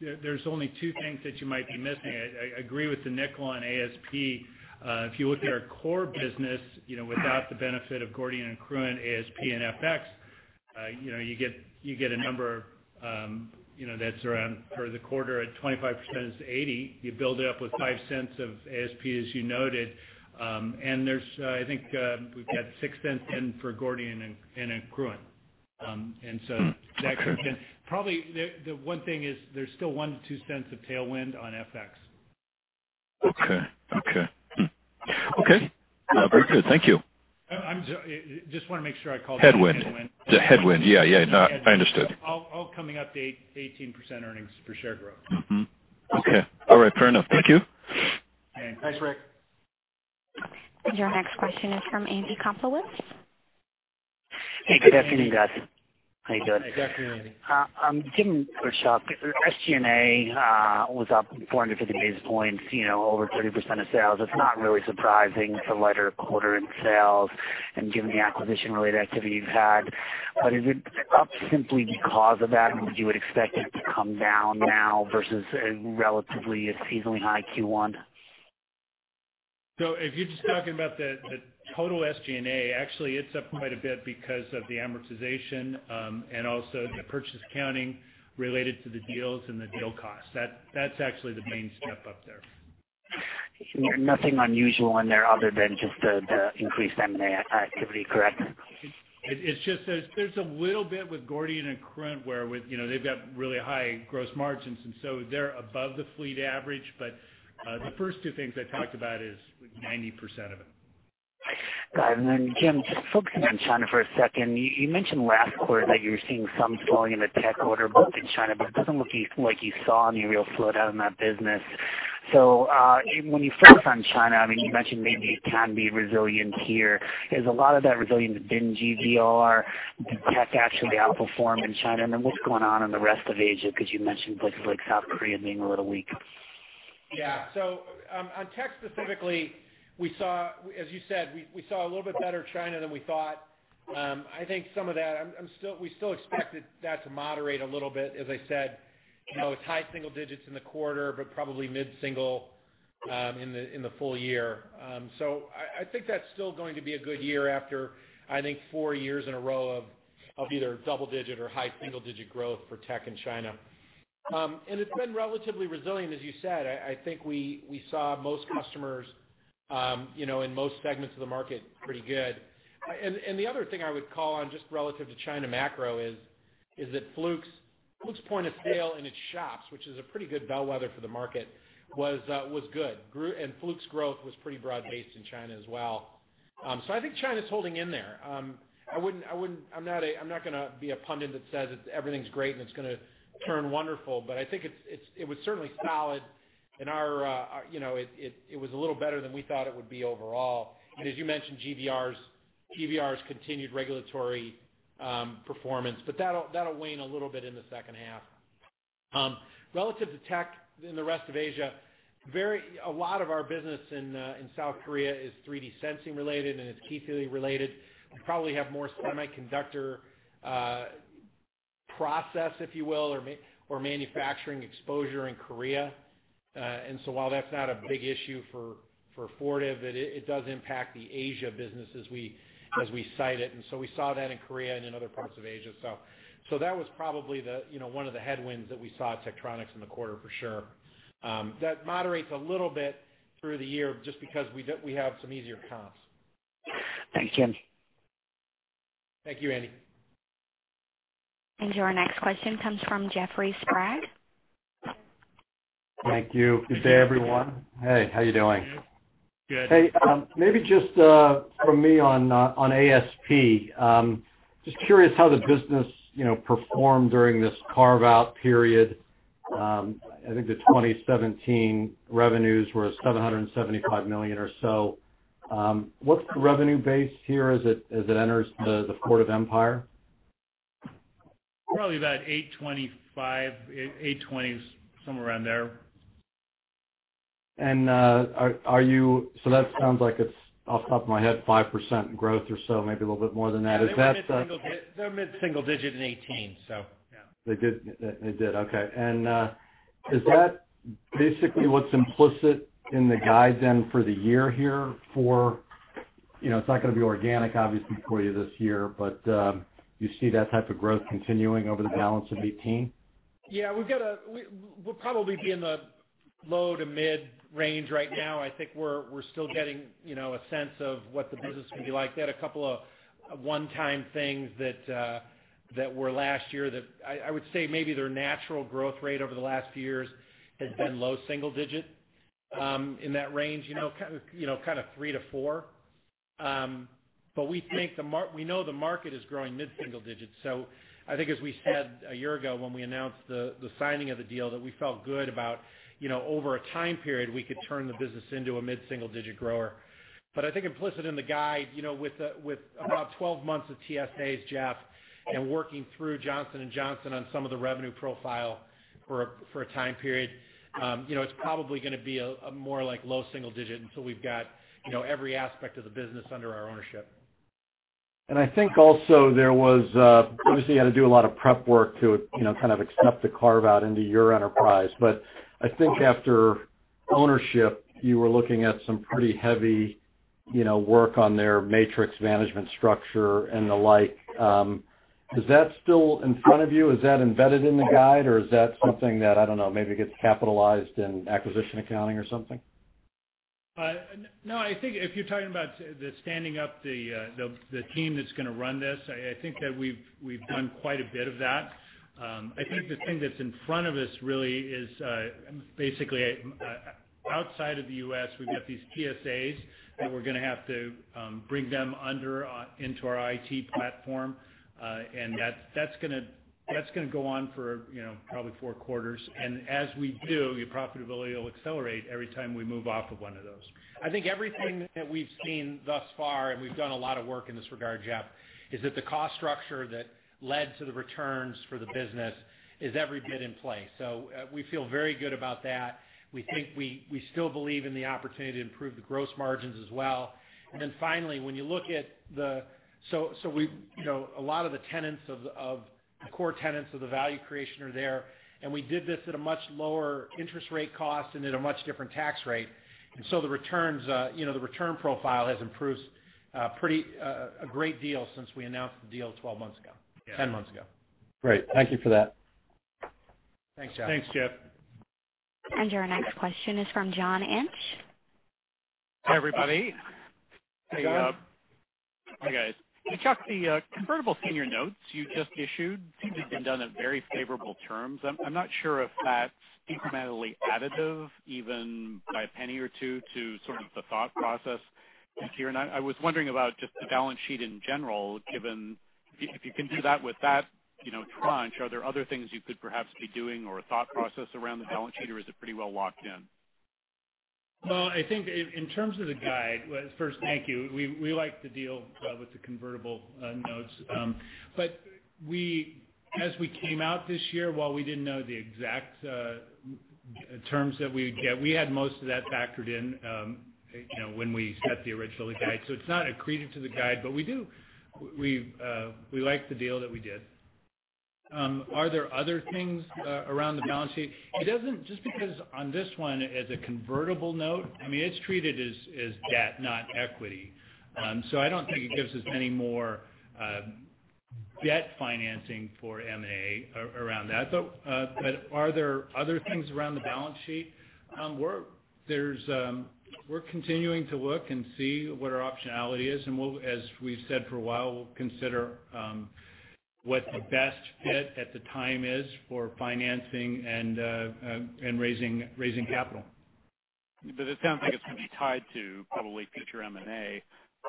there's only two things that you might be missing. I agree with the $0.05 on ASP. If you look at our core business, without the benefit of Gordian, Accruent, ASP, and FX, you get a number that's around for the quarter at 25% is $0.80. You build it up with $0.05 of ASP, as you noted. There's, I think, we've got $0.06 in for Gordian and Accruent. Okay. That could have been. Probably the one thing is there's still $0.01-$0.02 of tailwind on FX. Okay. Very good. Thank you. I just want to make sure I called. Headwind. The headwind. Yeah. No, I understood all coming up to 18% earnings per share growth. Mm-hmm. Okay. All right. Fair enough. Thank you. Thanks, Rick. Your next question is from Andrew Kaplowitz. Hey, good afternoon, guys. How you doing? Hey, good afternoon, Andy. Jim or Chuck, your SG&A was up 450 basis points, over 30% of sales. It's not really surprising. It's a lighter quarter in sales and given the acquisition-related activity you've had. Is it up simply because of that, and would you expect it to come down now versus a relatively seasonally high Q1? If you're just talking about the total SG&A, actually it's up quite a bit because of the amortization, and also the purchase accounting related to the deals and the deal cost. That's actually the main step up there. Nothing unusual in there other than just the increased M&A activity, correct? It's just there's a little bit with Gordian and Accruent, where they've got really high gross margins, and so they're above the fleet average. The first two things I talked about is 90% of it. Got it. Jim, just focusing on China for a second, you mentioned last quarter that you're seeing some slowing in the tech order book in China, but it doesn't look like you saw any real slowdown in that business. When you focus on China, you mentioned maybe it can be resilient here. Has a lot of that resilience been GVR? Did tech actually outperform in China? What's going on in the rest of Asia? Because you mentioned places like South Korea being a little weak. On tech specifically, as you said, we saw a little bit better China than we thought. I think some of that, we still expected that to moderate a little bit. As I said, it's high single digits in the quarter, but probably mid-single in the full-year. I think that's still going to be a good year after, I think, four years in a row of either double digit or high single digit growth for tech in China. It's been relatively resilient, as you said. I think we saw most customers, in most segments of the market pretty good. The other thing I would call on, just relative to China macro is that Fluke's point of sale in its shops, which is a pretty good bellwether for the market, was good. Fluke's growth was pretty broad-based in China as well. I think China's holding in there. I'm not going to be a pundit that says everything's great and it's going to turn wonderful, but I think it was certainly solid and it was a little better than we thought it would be overall. As you mentioned, GVR's continued regulatory performance. That'll wane a little bit in the second half. Relative to tech in the rest of Asia, a lot of our business in South Korea is 3D sensing related, and it's key filling related. We probably have more semiconductor process, if you will, or manufacturing exposure in Korea. While that's not a big issue for Fortive, it does impact the Asia business as we cite it, and we saw that in Korea and in other parts of Asia. That was probably one of the headwinds that we saw at Tektronix in the quarter for sure. That moderates a little bit through the year just because we have some easier comps. Thanks, Jim. Thank you, Andy. Your next question comes from Jeffrey Sprague. Thank you. Good day, everyone. Hey, how you doing? Good. Just from me on ASP. Just curious how the business performed during this carve-out period. I think the 2017 revenues were $775 million or so. What's the revenue base here as it enters the Fortive empire? About $825 million, $820 million, somewhere around there. That sounds like it's, off the top of my head, 5% growth or so, maybe a little bit more than that. Is that? They're mid-single digit in 2018. They did. Okay. Is that basically what's implicit in the guide then for the year here for It's not going to be organic, obviously, for you this year, but do you see that type of growth continuing over the balance of 2018? Yeah. We'll probably be in the low to mid-range right now. I think we're still getting a sense of what the business is going to be like. They had a couple of one-time things that were last year that I would say maybe their natural growth rate over the last few years has been low single digit, in that range, kind of three to four. We know the market is growing mid-single digits. I think as we said a year ago when we announced the signing of the deal that we felt good about, over a time period, we could turn the business into a mid-single digit grower. I think implicit in the guide, with about 12 months of TSAs, Jeff, and working through Johnson & Johnson on some of the revenue profile for a time period, it's probably going to be more like low single digit until we've got every aspect of the business under our ownership. I think also there was, obviously, you had to do a lot of prep work to kind of accept the carve-out into your enterprise. I think after ownership, you were looking at some pretty heavy work on their matrix management structure and the like. Is that still in front of you? Is that embedded in the guide, or is that something that, I don't know, maybe gets capitalized in acquisition accounting or something? No. I think if you're talking about the standing up the team that's going to run this, I think that we've done quite a bit of that. I think the thing that's in front of us really is basically, outside of the U.S., we've got these TSAs that we're going to have to bring them under into our IT platform. That's going to go on for probably four quarters. As we do, your profitability will accelerate every time we move off of one of those. I think everything that we've seen thus far, and we've done a lot of work in this regard, Jeff, is that the cost structure that led to the returns for the business is every bit in place. We feel very good about that. We think we still believe in the opportunity to improve the gross margins as well. Finally, a lot of the core tenants of the value creation are there, and we did this at a much lower interest rate cost and at a much different tax rate. The return profile has improved a great deal since we announced the deal 10 months ago. Great. Thank you for that. Thanks, Jeff. Thanks, Jeff. Our next question is from John Inch. Hi, everybody. Hey, John. Hi, guys. Hey, Chuck, the convertible senior notes you just issued seem to have been done at very favorable terms. I'm not sure if that's incrementally additive, even by a penny or two to sort of the thought process here. I was wondering about just the balance sheet in general, given if you can do that with that crunch, are there other things you could perhaps be doing or a thought process around the balance sheet, or is it pretty well locked in? Well, I think in terms of the guide, first, thank you. We liked the deal with the convertible notes. As we came out this year, while we didn't know the exact terms that we would get, we had most of that factored in when we set the original guide. It's not accretive to the guide, but we liked the deal that we did. Are there other things around the balance sheet? Just because on this one, as a convertible note, it's treated as debt, not equity. I don't think it gives us any more debt financing for M&A around that. Are there other things around the balance sheet? We're continuing to look and see what our optionality is, and as we've said for a while, we'll consider what the best fit at the time is for financing and raising capital. It sounds like it's going to be tied to probably future M&A.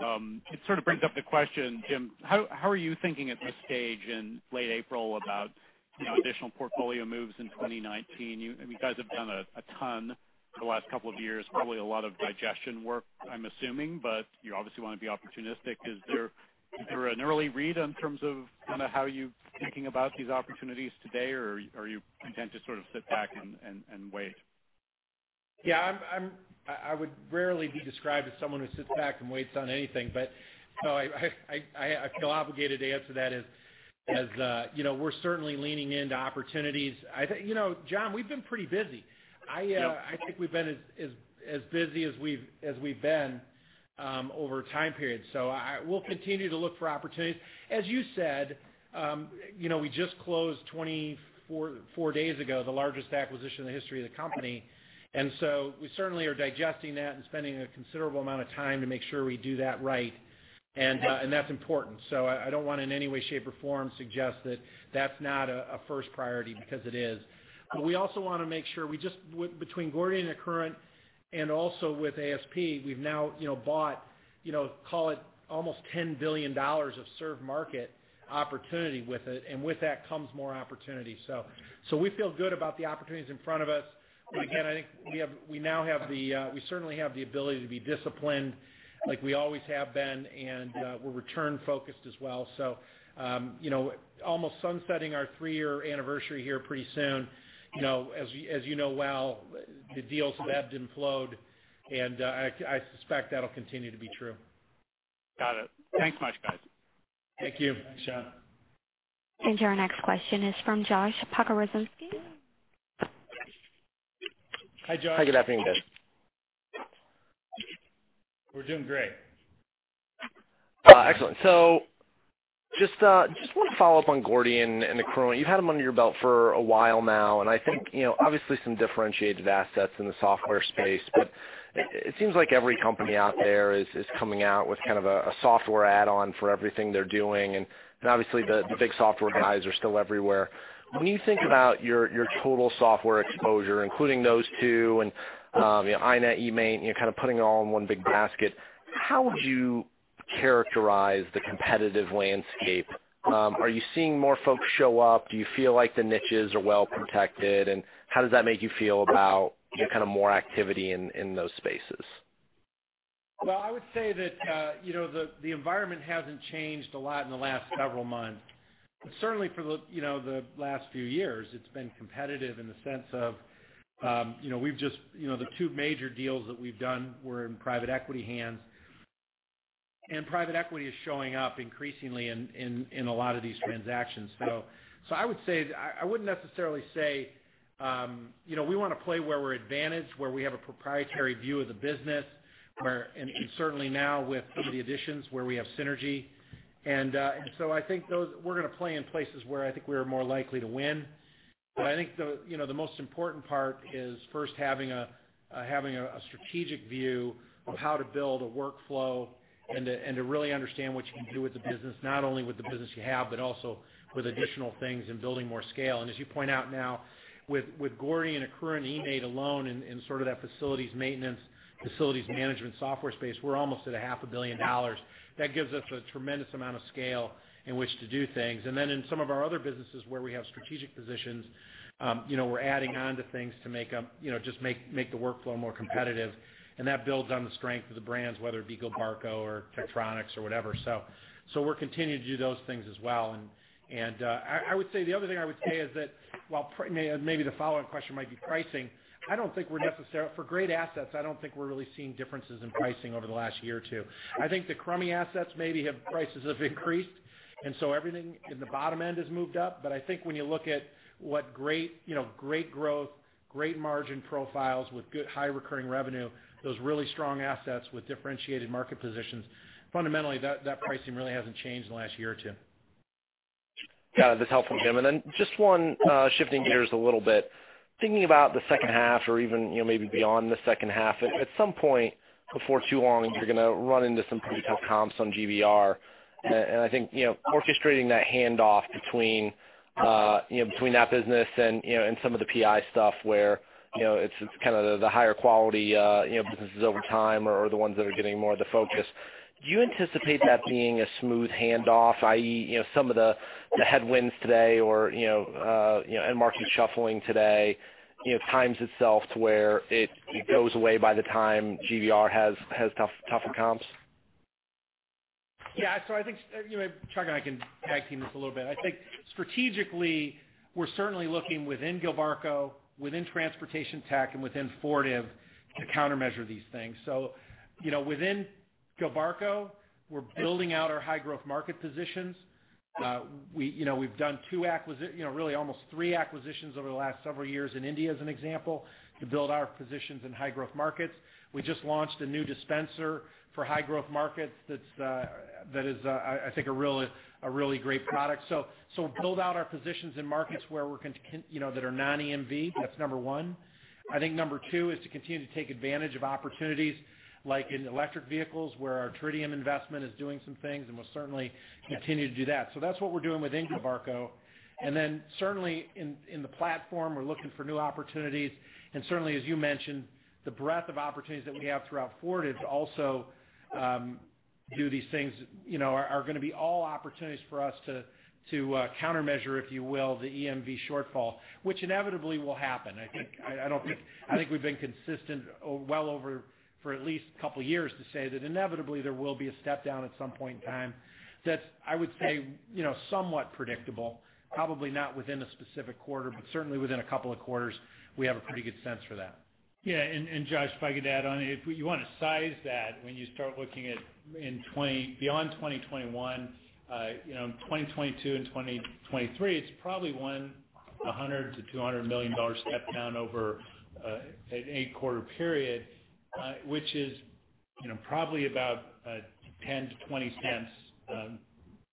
It sort of brings up the question, Jim, how are you thinking at this stage in late April about additional portfolio moves in 2019? You guys have done a ton the last couple of years, probably a lot of digestion work, I'm assuming, but you obviously want to be opportunistic. Is there an early read in terms of how you're thinking about these opportunities today, or are you content to sort of sit back and wait? I would rarely be described as someone who sits back and waits on anything. I feel obligated to answer that as we're certainly leaning into opportunities. John, we've been pretty busy. I think we've been as busy as we've been over a time period. We'll continue to look for opportunities. As you said, we just closed 24 days ago, the largest acquisition in the history of the company. We certainly are digesting that and spending a considerable amount of time to make sure we do that right, and that's important. I don't want in any way, shape, or form suggest that that's not a first priority, because it is. We also want to make sure, between Gordian and Accruent and also with ASP, we've now bought call it almost $10 billion of served market opportunity with it, and with that comes more opportunity. We feel good about the opportunities in front of us. Again, I think we certainly have the ability to be disciplined like we always have been, and we're return focused as well. Almost sunsetting our three-year anniversary here pretty soon. As you know well, the deals have ebbed and flowed, and I suspect that'll continue to be true. Got it. Thanks much, guys. Thank you. Thanks, John. Our next question is from Josh Pokrzywinski. Hi, Josh. Hi, good afternoon, guys. We're doing great. Excellent. Just want to follow up on Gordian and Accruent. You've had them under your belt for a while now, and I think, obviously some differentiated assets in the software space, but it seems like every company out there is coming out with a software add-on for everything they're doing. Obviously the big software guys are still everywhere. When you think about your total software exposure, including those two and iNet, eMaint, putting it all in one big basket, how would you characterize the competitive landscape? Are you seeing more folks show up? Do you feel like the niches are well-protected, and how does that make you feel about more activity in those spaces? Well, I would say that the environment hasn't changed a lot in the last several months. Certainly for the last few years, it's been competitive in the sense of the two major deals that we've done were in private equity hands. Private equity is showing up increasingly in a lot of these transactions. I wouldn't necessarily say we want to play where we're advantaged, where we have a proprietary view of the business, and certainly now with some of the additions where we have synergy. I think we're going to play in places where I think we are more likely to win. I think the most important part is first having a strategic view of how to build a workflow and to really understand what you can do with the business, not only with the business you have, but also with additional things and building more scale. As you point out now with Gordian, Accruent, eMaint alone in sort of that facilities maintenance, facilities management software space, we're almost at a half a billion dollars. That gives us a tremendous amount of scale in which to do things. Then in some of our other businesses where we have strategic positions, we're adding on to things to just make the workflow more competitive. That builds on the strength of the brands, whether it be Gilbarco or Tektronix or whatever. We're continuing to do those things as well. The other thing I would say is that while maybe the follow-up question might be pricing, for great assets, I don't think we're really seeing differences in pricing over the last year or two. I think the crummy assets maybe have prices have increased, everything in the bottom end has moved up. I think when you look at what great growth, great margin profiles with good high recurring revenue, those really strong assets with differentiated market positions, fundamentally that pricing really hasn't changed in the last year or two. Got it. That's helpful, Jim. Then just one, shifting gears a little bit. Thinking about the second half or even maybe beyond the second half, at some point before too long, you're going to run into some pretty tough comps on GVR. I think, orchestrating that handoff between that business and some of the PI stuff where it's kind of the higher quality businesses over time or the ones that are getting more of the focus. Do you anticipate that being a smooth handoff, i.e., some of the headwinds today or end market shuffling today times itself to where it goes away by the time GVR has tougher comps? Yeah. I think Chuck and I can tag team this a little bit. I think strategically, we're certainly looking within Gilbarco, within Transportation Tech, and within Fortive to countermeasure these things. Within Gilbarco, we're building out our high growth market positions. We've done two acquisitions, really almost three acquisitions over the last several years in India, as an example, to build our positions in high growth markets. We just launched a new dispenser for high growth markets that is, I think, a really great product. Build out our positions in markets that are non-EMV, that's number one. I think number two is to continue to take advantage of opportunities like in electric vehicles where our Tritium investment is doing some things, and we'll certainly continue to do that. That's what we're doing within Gilbarco. Then certainly in the platform, we're looking for new opportunities. Certainly, as you mentioned, the breadth of opportunities that we have throughout Fortive to also do these things are going to be all opportunities for us to countermeasure, if you will, the EMV shortfall, which inevitably will happen. I think we've been consistent well over for at least a couple of years to say that inevitably there will be a step down at some point in time that I would say, somewhat predictable, probably not within a specific quarter, but certainly within a couple of quarters. We have a pretty good sense for that. Yeah. Josh, if I could add on. If you want to size that, when you start looking beyond 2021, 2022, and 2023, it's probably $100 million-$200 million step down over an eight-quarter period, which is probably about $0.10-$0.20.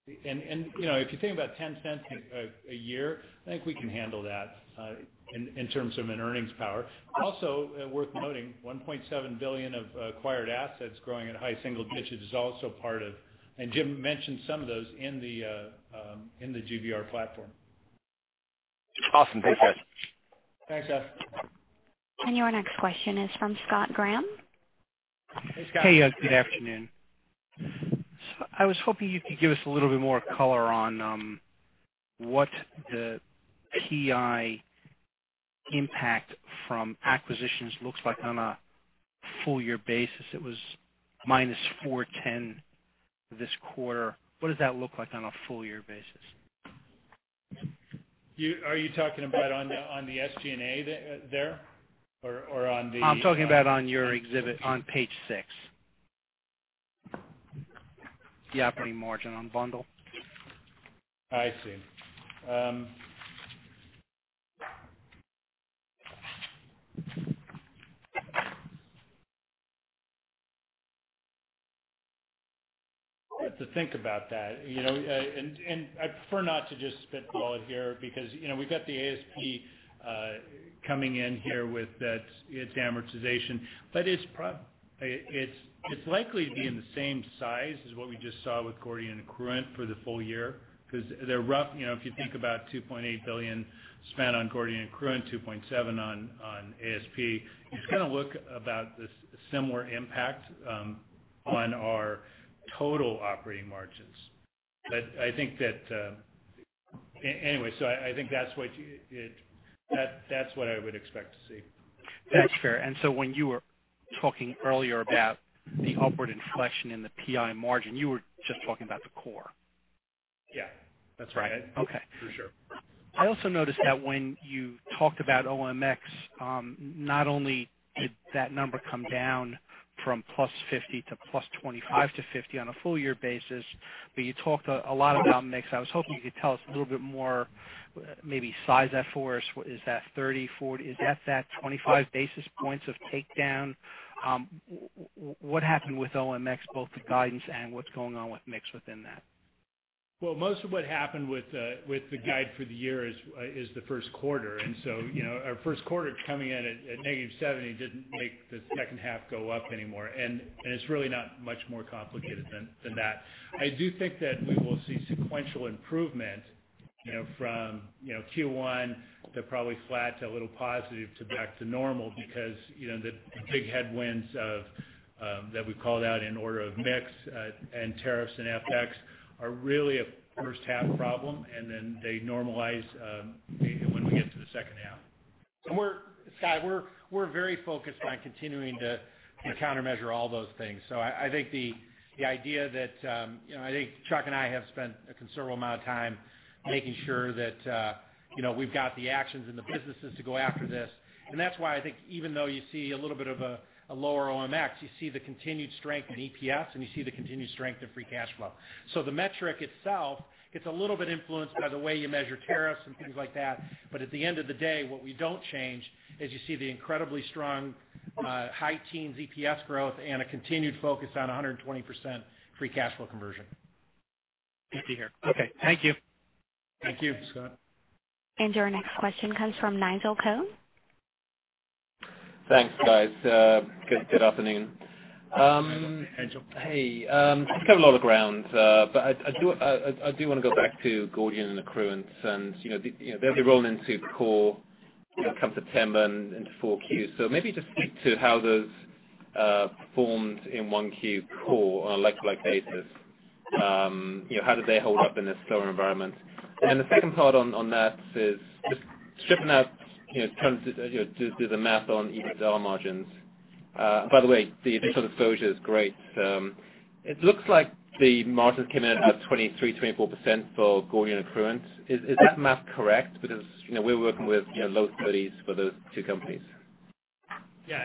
If you think about $0.10 a year, I think we can handle that in terms of an earnings power. Also worth noting, $1.7 billion of acquired assets growing at a high single digit is also part of. Jim mentioned some of those in the GVR platform. Awesome. Thanks, guys. Thanks, guys. Your next question is from Scott Graham. Hey, Scott. Hey. Good afternoon. I was hoping you could give us a little bit more color on what the PI impact from acquisitions looks like on a full-year basis. It was -410 this quarter. What does that look like on a full year basis? Are you talking about on the SG&A there? Or on the- I'm talking about on your exhibit on page six. The operating margin on bundle. I see. I have to think about that. I prefer not to just spitball it here because we've got the ASP coming in here with its amortization, but it's likely to be in the same size as what we just saw with Gordian and Accruent for the full-year because they're rough. If you think about $2.8 billion spent on Gordian and Accruent, $2.7 on ASP, it's going to look about a similar impact on our total operating margins. I think that's what I would expect to see. That's fair. When you were talking earlier about the upward inflection in the PI margin, you were just talking about the core? Yeah. That's right. Okay. For sure. I also noticed that when you talked about OMX, not only did that number come down from +50 to +25 to 50 on a full-year basis, you talked a lot about mix. I was hoping you could tell us a little bit more, maybe size that for us. Is that 30, 40? Is that that 25 basis points of takedown? What happened with OMX, both the guidance and what's going on with mix within that? Well, most of what happened with the guide for the year is the first quarter. Our first quarter coming in at -70 didn't make the second half go up any more. It's really not much more complicated than that. I do think that we will see sequential improvement from Q1 to probably flat to a little positive to back to normal because the big headwinds that we've called out in order of mix and tariffs and FX are really a first half problem, they normalize when we get to the second half. Scott, we're very focused on continuing to countermeasure all those things. I think Chuck and I have spent a considerable amount of time making sure that we've got the actions and the businesses to go after this. That's why I think even though you see a little bit of a lower OMX, you see the continued strength in EPS and you see the continued strength in free cash flow. The metric itself gets a little bit influenced by the way you measure tariffs and things like that. At the end of the day, what we don't change is you see the incredibly strong high teens EPS growth and a continued focus on 120% free cash flow conversion. Good to hear. Okay. Thank you. Thank you. Thank you, Scott. Your next question comes from Nigel Coe. Thanks, guys. Good afternoon. Hey, Nigel. Hey. Just to cover a lot of ground, but I do want to go back to Gordian and Accruent and they'll be rolling into core come September into 4Q. Maybe just speak to how those performed in 1Q core on a like-to-like basis. How did they hold up in this slower environment? The second part on that is just stripping out, do the math on EBITDA margins. By the way, the additional disclosure is great. It looks like the margins came in at 23, 24% for Gordian and Accruent. Is that math correct? Because we're working with low 30s for those two companies. Yeah.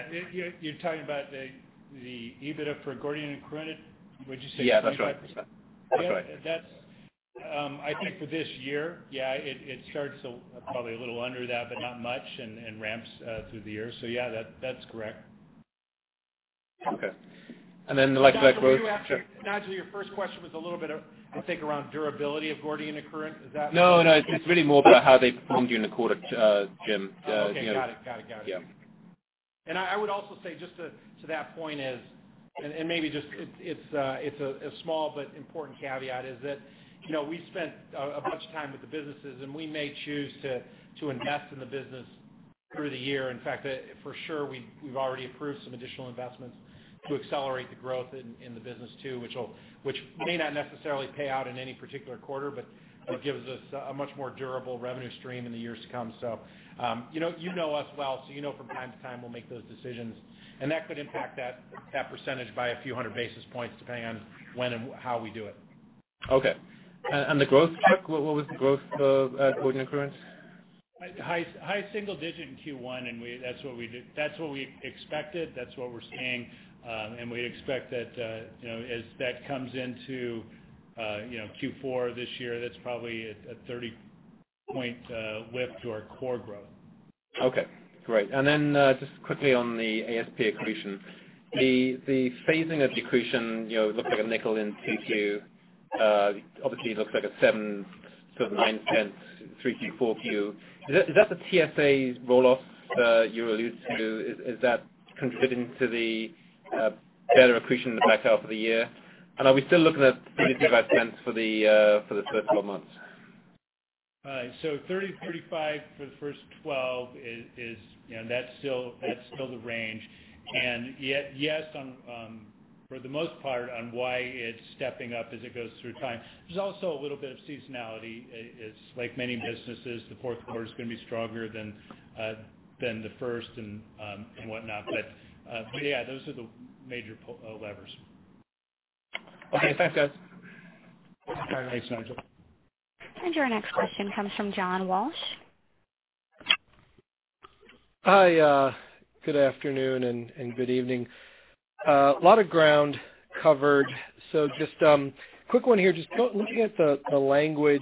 You're talking about the EBITDA for Gordian and Accruent? What'd you say? Yeah, that's right. 25%? That's right. I think for this year, yeah, it starts probably a little under that, but not much, and ramps through the year. Yeah, that's correct. Okay. Nigel, your first question was a little bit, I think, around durability of Gordian and Accruent. No, it's really more about how they performed during the quarter, Jim. Okay. Got it. Yeah. I would also say just to that point is, and maybe just it's a small but important caveat, is that we spent a bunch of time with the businesses, and we may choose to invest in the business through the year. In fact, for sure, we've already approved some additional investments to accelerate the growth in the business too, which may not necessarily pay out in any particular quarter, but it gives us a much more durable revenue stream in the years to come. You know us well, so you know from time to time, we'll make those decisions. That could impact that percentage by a few hundred basis points depending on when and how we do it. Okay. The growth, Chuck McLaughlin? What was the growth for Gordian and Accruent? High single digit in Q1. That's what we expected. That's what we're seeing. We'd expect that as that comes into Q4 this year, that's probably a 30-point lift to our core growth. Okay. Great. Then just quickly on the ASP accretion. The phasing of the accretion looks like $0.05 in 2Q. Obviously, it looks like $0.07-$0.09 3Q, 4Q. Is that the TSA roll-off you allude to? Is that contributing to the better accretion in the back half of the year? Are we still looking at $0.35 for the first couple of months? Right. 30, 35 for the first 12, that's still the range. Yes, for the most part on why it's stepping up as it goes through time. There's also a little bit of seasonality. It's like many businesses, the fourth quarter's going to be stronger than the first and whatnot. Yeah, those are the major levers. Okay, thanks, guys. Thanks, Nigel. Your next question comes from John Walsh. Hi, good afternoon and good evening. A lot of ground covered. Just quick one here. Just looking at the language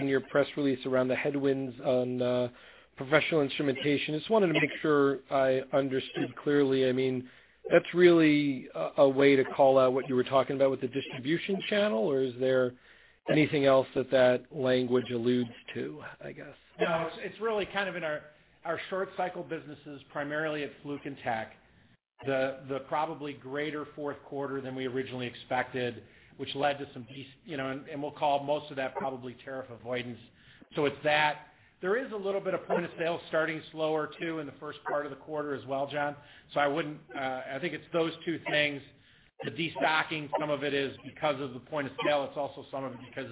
in your press release around the headwinds on Professional Instrumentation. Just wanted to make sure I understood clearly. That's really a way to call out what you were talking about with the distribution channel, or is there anything else that that language alludes to, I guess? No, it's really kind of in our short cycle businesses, primarily at Fluke and Tek. The probably greater fourth quarter than we originally expected, which led to some. We'll call most of that probably tariff avoidance. It's that. There is a little bit of point-of-sale starting slower, too, in the first part of the quarter as well, John. I think it's those two things. The destocking, some of it is because of the point-of-sale. It's also some of it because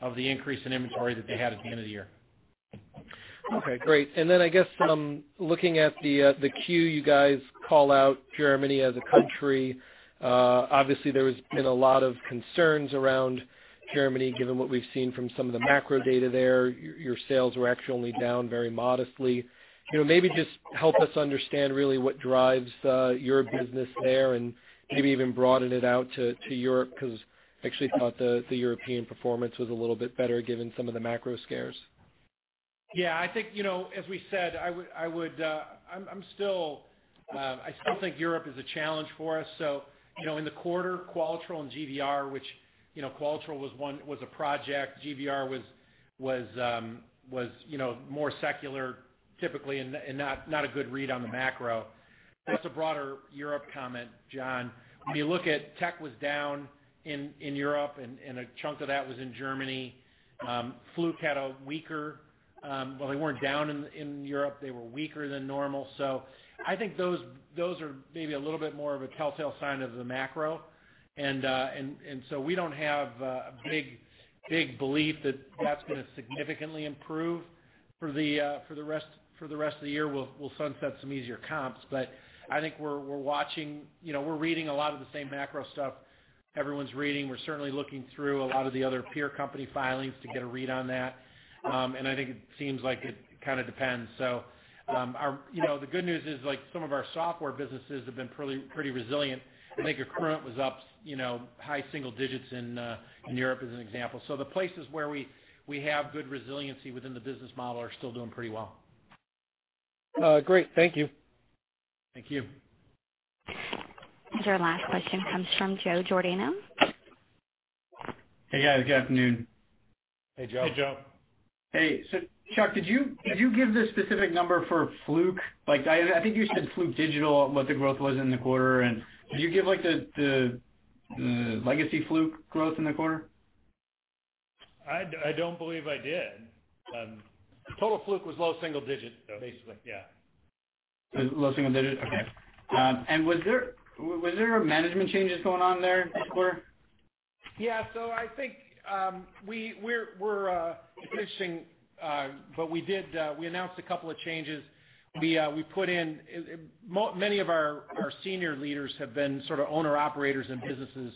of the increase in inventory that they had at the end of the year. Okay, great. I guess looking at the Q, you guys call out Germany as a country. Obviously, there has been a lot of concerns around Germany, given what we've seen from some of the macro data there. Your sales were actually only down very modestly. Maybe just help us understand really what drives your business there and maybe even broaden it out to Europe, because I actually thought the European performance was a little bit better given some of the macro scares. Yeah, I think, as we said, I still think Europe is a challenge for us. In the quarter, Qualitrol and GVR, which Qualitrol was a project. GVR was more secular typically, and not a good read on the macro. That's a broader Europe comment, John. When you look at Tek was down in Europe and a chunk of that was in Germany. Fluke had a weaker, well, they weren't down in Europe. They were weaker than normal. I think those are maybe a little bit more of a telltale sign of the macro. We don't have a big belief that that's going to significantly improve for the rest of the year. We'll sunset some easier comps, but I think we're watching. We're reading a lot of the same macro stuff everyone's reading. We're certainly looking through a lot of the other peer company filings to get a read on that. I think it seems like it kind of depends. The good news is some of our software businesses have been pretty resilient. I think Accruent was up high single-digits in Europe as an example. The places where we have good resiliency within the business model are still doing pretty well. Great. Thank you. Thank you. Your last question comes from Joe Giordano. Hey, guys. Good afternoon. Hey, Joe. Hey, Joe. Hey. Chuck, did you give the specific number for Fluke? I think you said Fluke digital, what the growth was in the quarter. Did you give the legacy Fluke growth in the quarter? I don't believe I did. Total Fluke was low single digit though. Basically, yeah. Low single digit? Okay. Was there management changes going on there in the quarter? Yeah, I think we're finishing, but we announced a couple of changes. Many of our senior leaders have been sort of owner-operators in businesses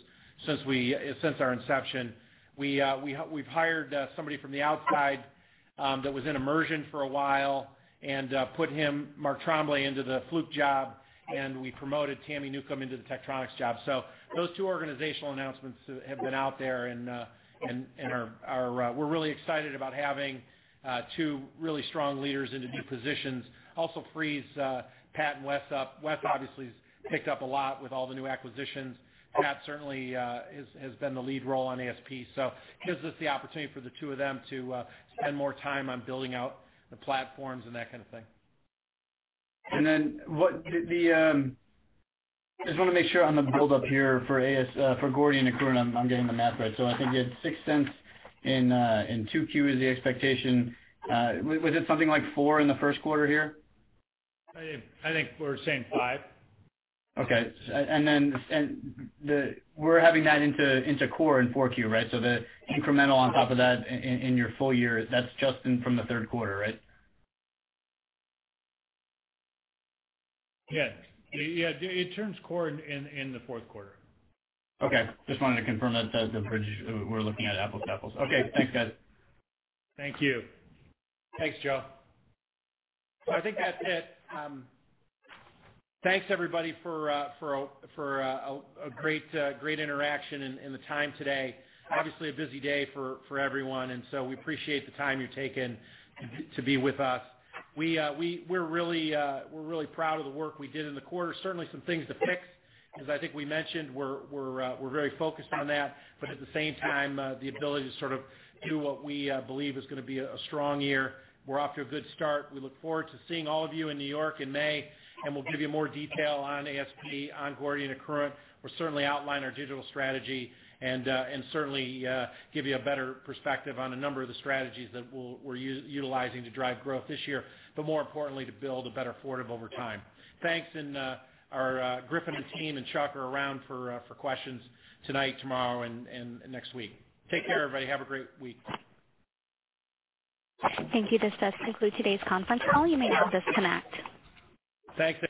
since our inception. We've hired somebody from the outside that was in immersion for a while and put him, Marc Tremblay, into the Fluke job, and we promoted Tami Newcombe into the Tektronix job. Those two organizational announcements have been out there, and we're really excited about having two really strong leaders into new positions. Also frees Pat and Wes up. Wes obviously has picked up a lot with all the new acquisitions. Pat certainly has been the lead role on ASP, so gives us the opportunity for the two of them to spend more time on building out the platforms and that kind of thing. Just want to make sure on the build-up here for Gordian and Accruent, I'm getting the math right. I think you had $0.06 in 2Q is the expectation. Was it something like $0.04 in the first quarter here? I think we're saying five. Okay. We're having that into core in 4Q, right? The incremental on top of that in your full year, that's just from the third quarter, right? Yes. It turns core in the fourth quarter. Okay. Just wanted to confirm that we're looking at apples to apples. Okay, thanks, guys. Thank you. Thanks, Joe. I think that's it. Thanks everybody for a great interaction and the time today. Obviously a busy day for everyone, and so we appreciate the time you've taken to be with us. We're really proud of the work we did in the quarter. Certainly some things to fix. As I think we mentioned, we're very focused on that, but at the same time, the ability to sort of do what we believe is going to be a strong year. We're off to a good start. We look forward to seeing all of you in New York in May, and we'll give you more detail on ASP, on Gordian and Accruent. We'll certainly outline our digital strategy and certainly give you a better perspective on a number of the strategies that we're utilizing to drive growth this year, but more importantly, to build a better Fortive over time. Thanks, and our Griffin team and Chuck are around for questions tonight, tomorrow, and next week. Take care, everybody. Have a great week. Thank you. This does conclude today's conference call. You may now disconnect. Thanks.